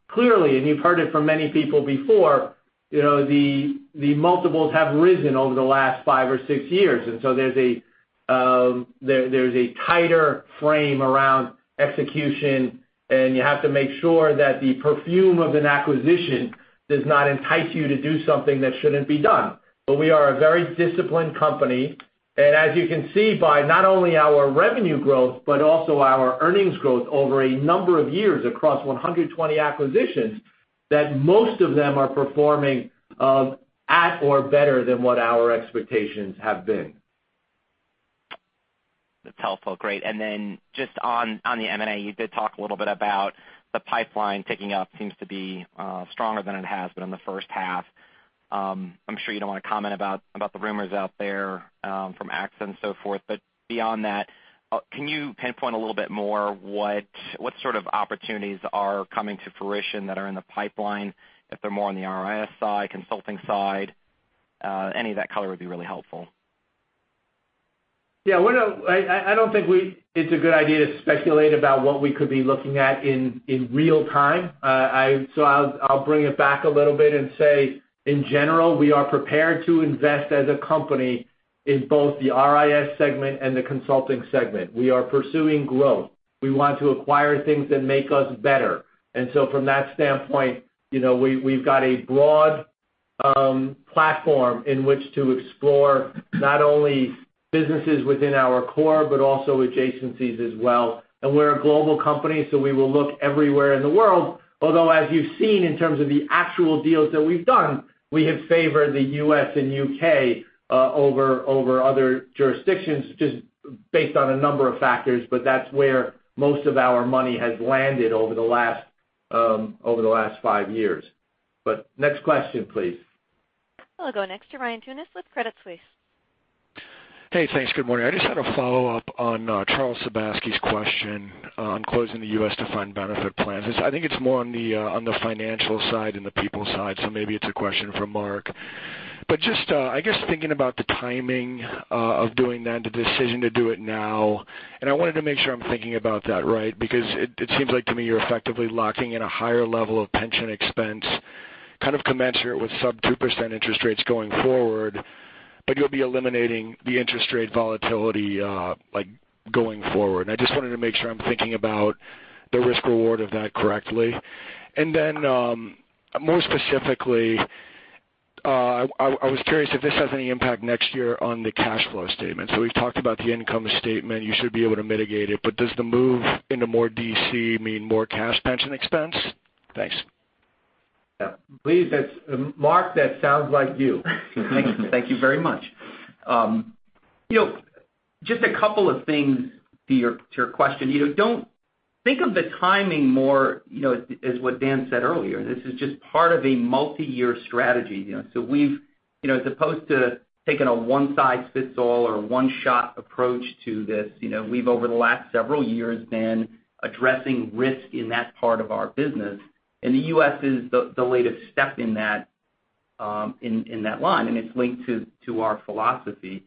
Clearly, and you've heard it from many people before, the multiples have risen over the last five or six years. There's a tighter frame around execution, and you have to make sure that the perfume of an acquisition does not entice you to do something that shouldn't be done. We are a very disciplined company. As you can see by not only our revenue growth, but also our earnings growth over a number of years across 120 acquisitions, that most of them are performing at or better than what our expectations have been. That's helpful. Great. Just on the M&A, you did talk a little bit about the pipeline ticking up seems to be stronger than it has been in the first half. I'm sure you don't want to comment about the rumors out there from Axa and so forth. Beyond that, can you pinpoint a little bit more what sort of opportunities are coming to fruition that are in the pipeline, if they're more on the RIS side, consulting side? Any of that color would be really helpful. Yeah. I don't think it's a good idea to speculate about what we could be looking at in real time. I'll bring it back a little bit and say, in general, we are prepared to invest as a company In both the RIS segment and the consulting segment, we are pursuing growth. We want to acquire things that make us better. From that standpoint, we've got a broad platform in which to explore not only businesses within our core, but also adjacencies as well. We're a global company, so we will look everywhere in the world. Although, as you've seen in terms of the actual deals that we've done, we have favored the U.S. and U.K. over other jurisdictions just based on a number of factors. That's where most of our money has landed over the last 5 years. Next question, please. I'll go next to Ryan Tunis with Credit Suisse. Hey, thanks. Good morning. I just had a follow-up on Charles Sebaski's question on closing the U.S. defined benefit plans. I think it's more on the financial side than the people side, so maybe it's a question for Mark. Just, I guess thinking about the timing of doing that, the decision to do it now, and I wanted to make sure I'm thinking about that right, because it seems like to me you're effectively locking in a higher level of pension expense, kind of commensurate with sub 2% interest rates going forward, but you'll be eliminating the interest rate volatility going forward. I just wanted to make sure I'm thinking about the risk/reward of that correctly. Then, more specifically, I was curious if this has any impact next year on the cash flow statement. So we've talked about the income statement. You should be able to mitigate it, but does the move into more DC mean more cash pension expense? Thanks. Yeah. Please, Mark, that sounds like you. Thank you very much. Just a couple of things to your question. Think of the timing more as what Dan said earlier. This is just part of a multi-year strategy. As opposed to taking a one size fits all or one shot approach to this, we've, over the last several years, been addressing risk in that part of our business, and the U.S. is the latest step in that line, and it's linked to our philosophy.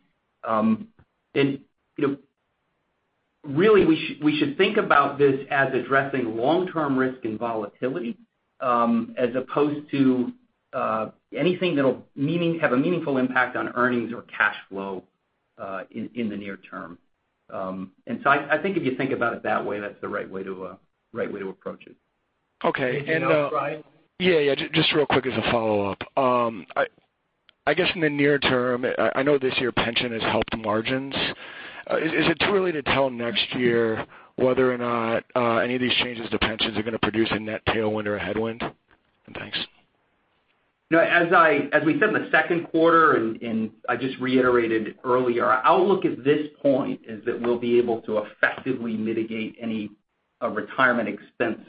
Really, we should think about this as addressing long-term risk and volatility, as opposed to anything that'll have a meaningful impact on earnings or cash flow in the near term. I think if you think about it that way, that's the right way to approach it. Okay. That enough, Ryan? Yeah. Just real quick as a follow-up. I guess in the near term, I know this year pension has helped margins. Is it too early to tell next year whether or not any of these changes to pensions are going to produce a net tailwind or a headwind? Thanks. As we said in the second quarter, I just reiterated earlier, our outlook at this point is that we'll be able to effectively mitigate any retirement expense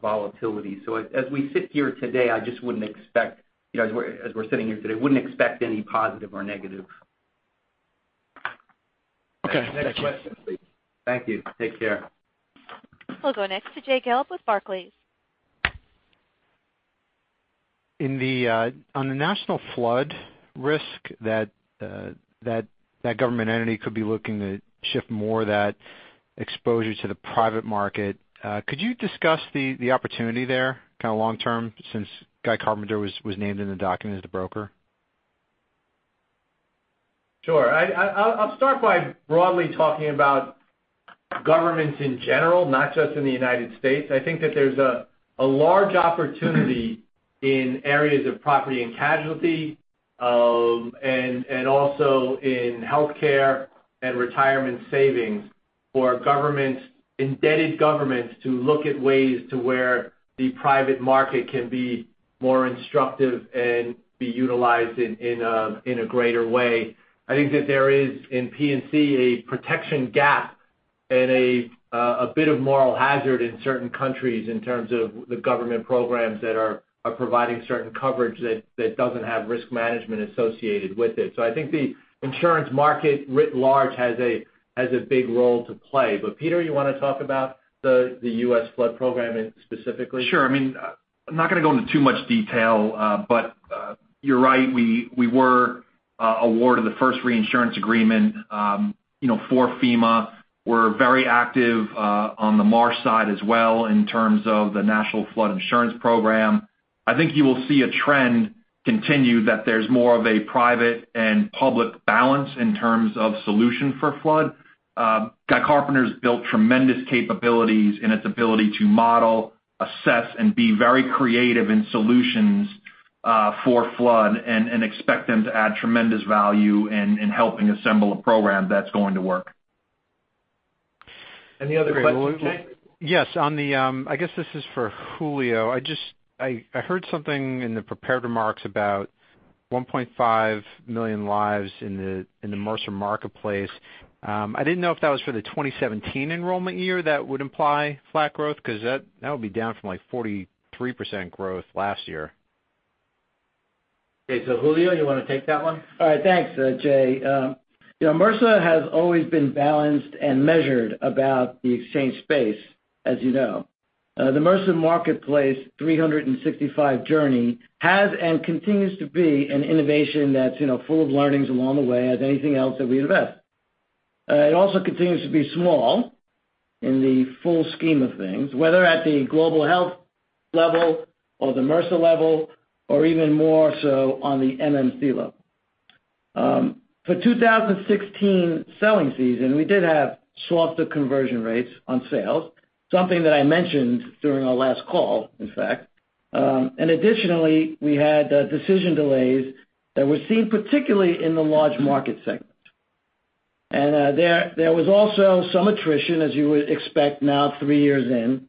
volatility. As we sit here today, I just wouldn't expect any positive or negative. Okay. Thank you. Next question, please. Thank you. Take care. We'll go next to Jay Gelb with Barclays. On the national flood risk that government entity could be looking to shift more of that exposure to the private market, could you discuss the opportunity there long term, since Guy Carpenter was named in the document as the broker? Sure. I'll start by broadly talking about governments in general, not just in the United States. I think that there's a large opportunity in areas of property and casualty, and also in healthcare and retirement savings for indebted governments to look at ways to where the private market can be more instructive and be utilized in a greater way. I think that there is, in P&C, a protection gap and a bit of moral hazard in certain countries in terms of the government programs that are providing certain coverage that doesn't have risk management associated with it. I think the insurance market writ large has a big role to play. Peter, you want to talk about the U.S. flood program specifically? Sure. I'm not going to go into too much detail. You're right, we were awarded the first reinsurance agreement for FEMA. We're very active on the Marsh side as well in terms of the National Flood Insurance Program. I think you will see a trend continue that there's more of a private and public balance in terms of solution for flood. Guy Carpenter's built tremendous capabilities in its ability to model, assess, and be very creative in solutions for flood and expect them to add tremendous value in helping assemble a program that's going to work. Any other questions, Jay? Yes. I guess this is for Julio. I heard something in the prepared remarks about 1.5 million lives in the Mercer Marketplace. I didn't know if that was for the 2017 enrollment year that would imply flat growth, because that would be down from like 43% growth last year. Okay, Julio, you want to take that one? All right. Thanks, Jay. Mercer has always been balanced and measured about the exchange space, as you know. The Mercer Marketplace 365 journey has and continues to be an innovation that's full of learnings along the way as anything else that we invest. It also continues to be small in the full scheme of things, whether at the global health level or the Mercer level, or even more so on the MMC level. For 2016 selling season, we did have softer conversion rates on sales, something that I mentioned during our last call, in fact. Additionally, we had decision delays that were seen particularly in the large market segments. There was also some attrition, as you would expect now, three years in,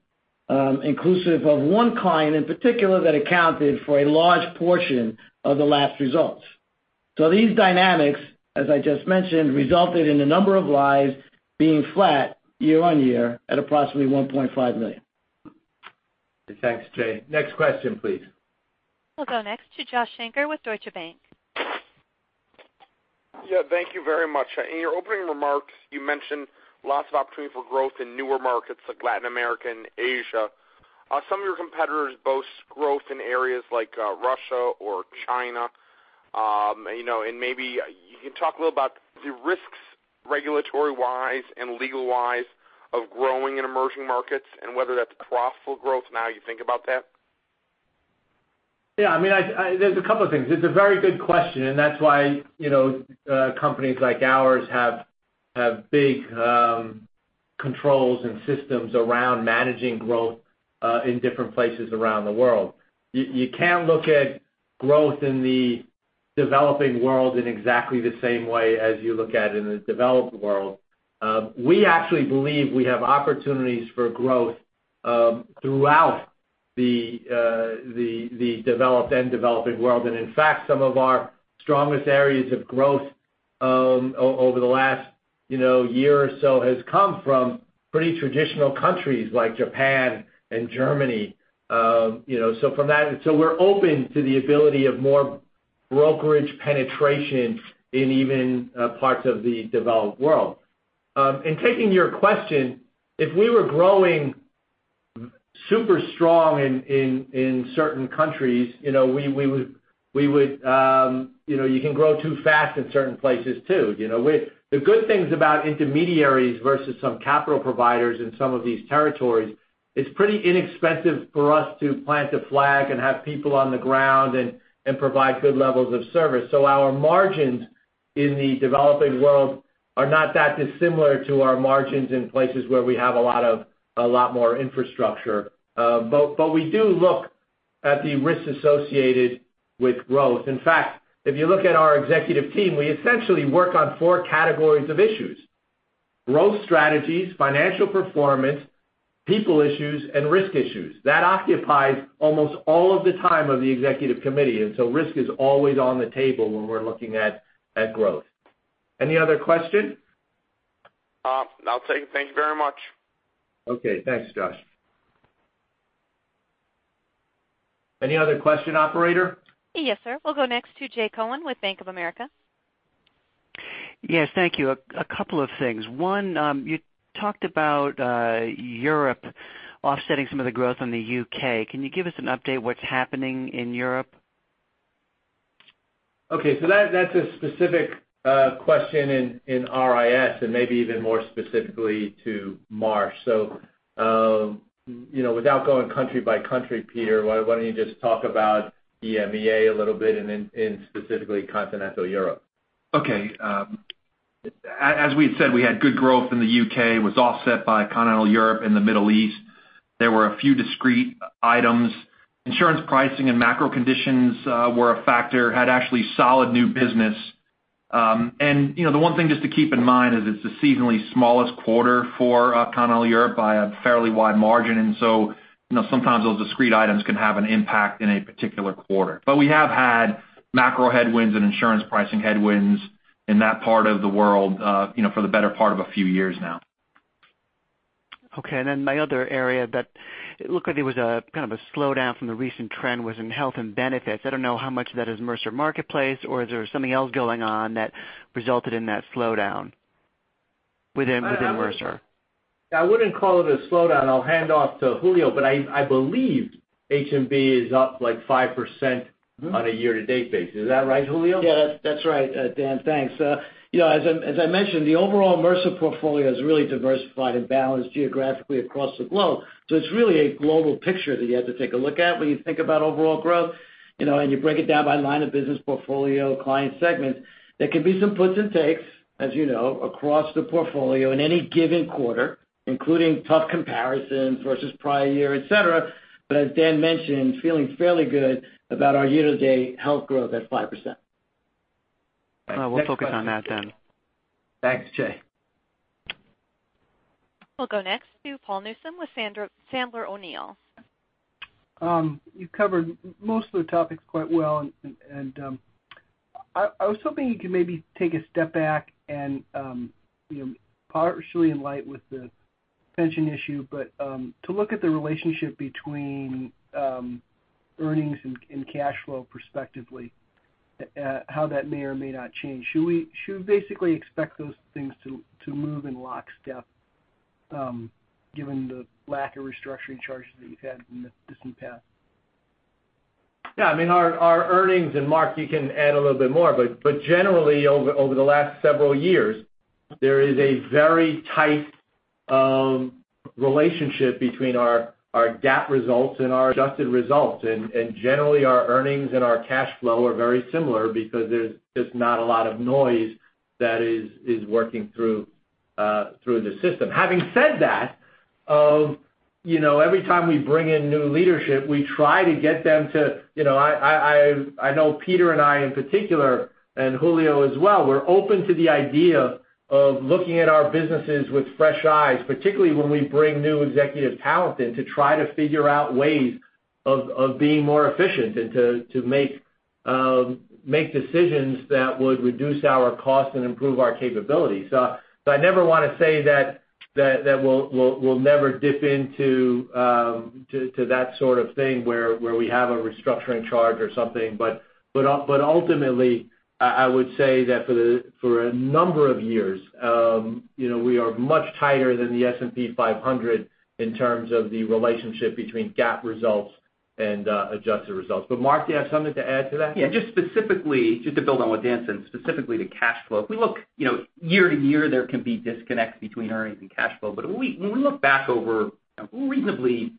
inclusive of one client in particular that accounted for a large portion of the last results. These dynamics, as I just mentioned, resulted in the number of lives being flat year-on-year at approximately 1.5 million. Thanks, Jay. Next question, please. We'll go next to Josh Shanker with Deutsche Bank. Yeah. Thank you very much. In your opening remarks, you mentioned lots of opportunity for growth in newer markets like Latin America and Asia. Maybe you can talk a little about the risks, regulatory-wise and legal-wise, of growing in emerging markets and whether that's profitable growth now you think about that. Yeah. There's a couple of things. It's a very good question, That's why companies like ours have big controls and systems around managing growth, in different places around the world. You can look at growth in the developing world in exactly the same way as you look at it in the developed world. We actually believe we have opportunities for growth throughout the developed and developing world. In fact, some of our strongest areas of growth over the last year or so has come from pretty traditional countries like Japan and Germany. We're open to the ability of more brokerage penetration in even parts of the developed world. In taking your question, if we were growing super strong in certain countries, you can grow too fast in certain places, too. The good things about intermediaries versus some capital providers in some of these territories, it's pretty inexpensive for us to plant a flag and have people on the ground and provide good levels of service. Our margins in the developing world are not that dissimilar to our margins in places where we have a lot more infrastructure. We do look at the risks associated with growth. In fact, if you look at our executive team, we essentially work on 4 categories of issues: growth strategies, financial performance, people issues, and risk issues. That occupies almost all of the time of the executive committee, risk is always on the table when we're looking at growth. Any other question? I'll take it. Thank you very much. Okay. Thanks, Josh. Any other question, operator? Yes, sir. We'll go next to Jay Cohen with Bank of America. Yes. Thank you. A couple of things. One, you talked about Europe offsetting some of the growth in the U.K. Can you give us an update what's happening in Europe? That's a specific question in RIS and maybe even more specifically to Marsh. Without going country by country, Peter, why don't you just talk about EMEA a little bit and then in specifically continental Europe? As we had said, we had good growth in the U.K., was offset by continental Europe and the Middle East. There were a few discrete items. Insurance pricing and macro conditions were a factor, had actually solid new business. The one thing just to keep in mind is it's the seasonally smallest quarter for continental Europe by a fairly wide margin, sometimes those discrete items can have an impact in a particular quarter. We have had macro headwinds and insurance pricing headwinds in that part of the world for the better part of a few years now. My other area that it looked like there was a kind of a slowdown from the recent trend was in health and benefits. I don't know how much of that is Mercer Marketplace, is there something else going on that resulted in that slowdown within Mercer? I wouldn't call it a slowdown. I'll hand off to Julio, I believe H&B is up 5% on a year-to-date basis. Is that right, Julio? Yeah. That's right, Dan, thanks. As I mentioned, the overall Mercer portfolio is really diversified and balanced geographically across the globe. It's really a global picture that you have to take a look at when you think about overall growth, you break it down by line of business portfolio, client segments. There can be some puts and takes, as you know, across the portfolio in any given quarter, including tough comparisons versus prior year, et cetera. As Dan mentioned, feeling fairly good about our year-to-date health growth at 5%. I'll focus on that. Thanks, Jay. We'll go next to Paul Newsome with Sandler O'Neill. You covered most of the topics quite well. I was hoping you could maybe take a step back and, partially in light with the pension issue, to look at the relationship between earnings and cash flow perspectively, how that may or may not change. Should we basically expect those things to move in lockstep given the lack of restructuring charges that you've had in the past? Yeah. Our earnings, and Mark you can add a little bit more, but generally over the last several years, there is a very tight relationship between our GAAP results and our adjusted results. Generally, our earnings and our cash flow are very similar because there's just not a lot of noise that is working through the system. Having said that, every time we bring in new leadership, we try to get them to I know Peter and I in particular, and Julio as well, we're open to the idea of looking at our businesses with fresh eyes, particularly when we bring new executive talent in to try to figure out ways of being more efficient and to make decisions that would reduce our costs and improve our capabilities. I never want to say that we'll never dip into that sort of thing where we have a restructuring charge or something. Ultimately, I would say that for a number of years, we are much tighter than the S&P 500 in terms of the relationship between GAAP results and adjusted results. Mark, do you have something to add to that? Yeah. Just to build on what Dan said, specifically to cash flow. If we look year to year, there can be disconnects between earnings and cash flow. When we look back over reasonably,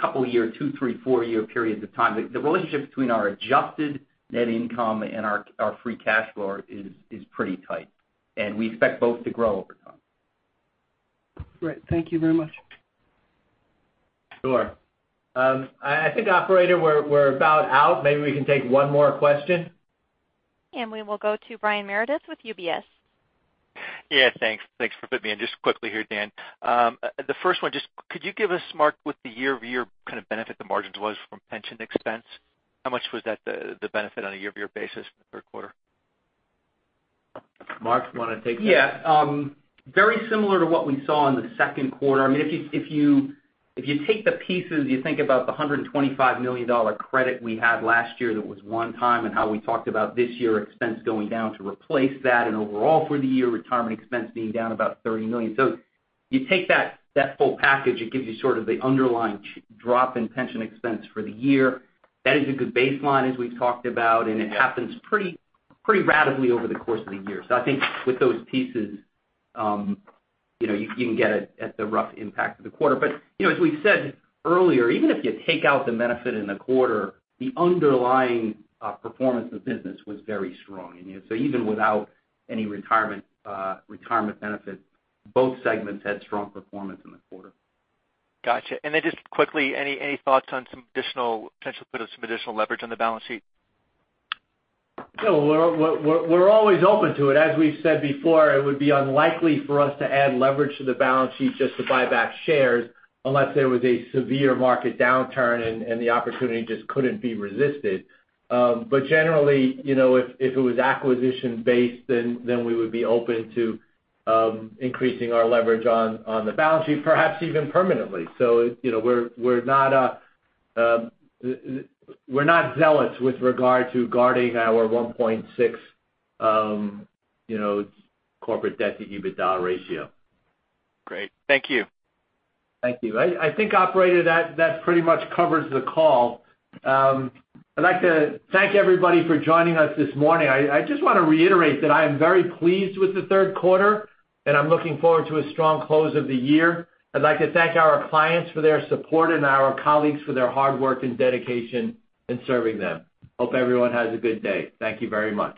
couple year, two, three, four year periods of time, the relationship between our adjusted net income and our free cash flow is pretty tight, and we expect both to grow over time. Great. Thank you very much. Sure. I think, operator, we're about out. Maybe we can take one more question. We will go to Brian Meredith with UBS. Yeah, thanks for fitting me in. Just quickly here, Dan. The first one, could you give us, Mark, what the year-over-year kind of benefit the margins was from pension expense? How much was that, the benefit on a year-over-year basis, third quarter? Mark, you want to take that? Yeah. Very similar to what we saw in the second quarter. If you take the pieces, you think about the $125 million credit we had last year that was one time, and how we talked about this year expense going down to replace that, overall for the year, retirement expense being down about $30 million. You take that full package, it gives you sort of the underlying drop in pension expense for the year. That is a good baseline, as we've talked about, it happens pretty rapidly over the course of the year. I think with those pieces, you can get at the rough impact of the quarter. As we said earlier, even if you take out the benefit in the quarter, the underlying performance of the business was very strong. Even without any retirement benefit, both segments had strong performance in the quarter. Got you. Then just quickly, any thoughts on some potential to put some additional leverage on the balance sheet? We're always open to it. As we've said before, it would be unlikely for us to add leverage to the balance sheet just to buy back shares, unless there was a severe market downturn and the opportunity just couldn't be resisted. Generally, if it was acquisition based, then we would be open to increasing our leverage on the balance sheet, perhaps even permanently. We're not zealous with regard to guarding our 1.6 corporate debt to EBITDA ratio. Great. Thank you. Thank you. I think, operator, that pretty much covers the call. I'd like to thank everybody for joining us this morning. I just want to reiterate that I am very pleased with the third quarter, and I'm looking forward to a strong close of the year. I'd like to thank our clients for their support and our colleagues for their hard work and dedication in serving them. Hope everyone has a good day. Thank you very much.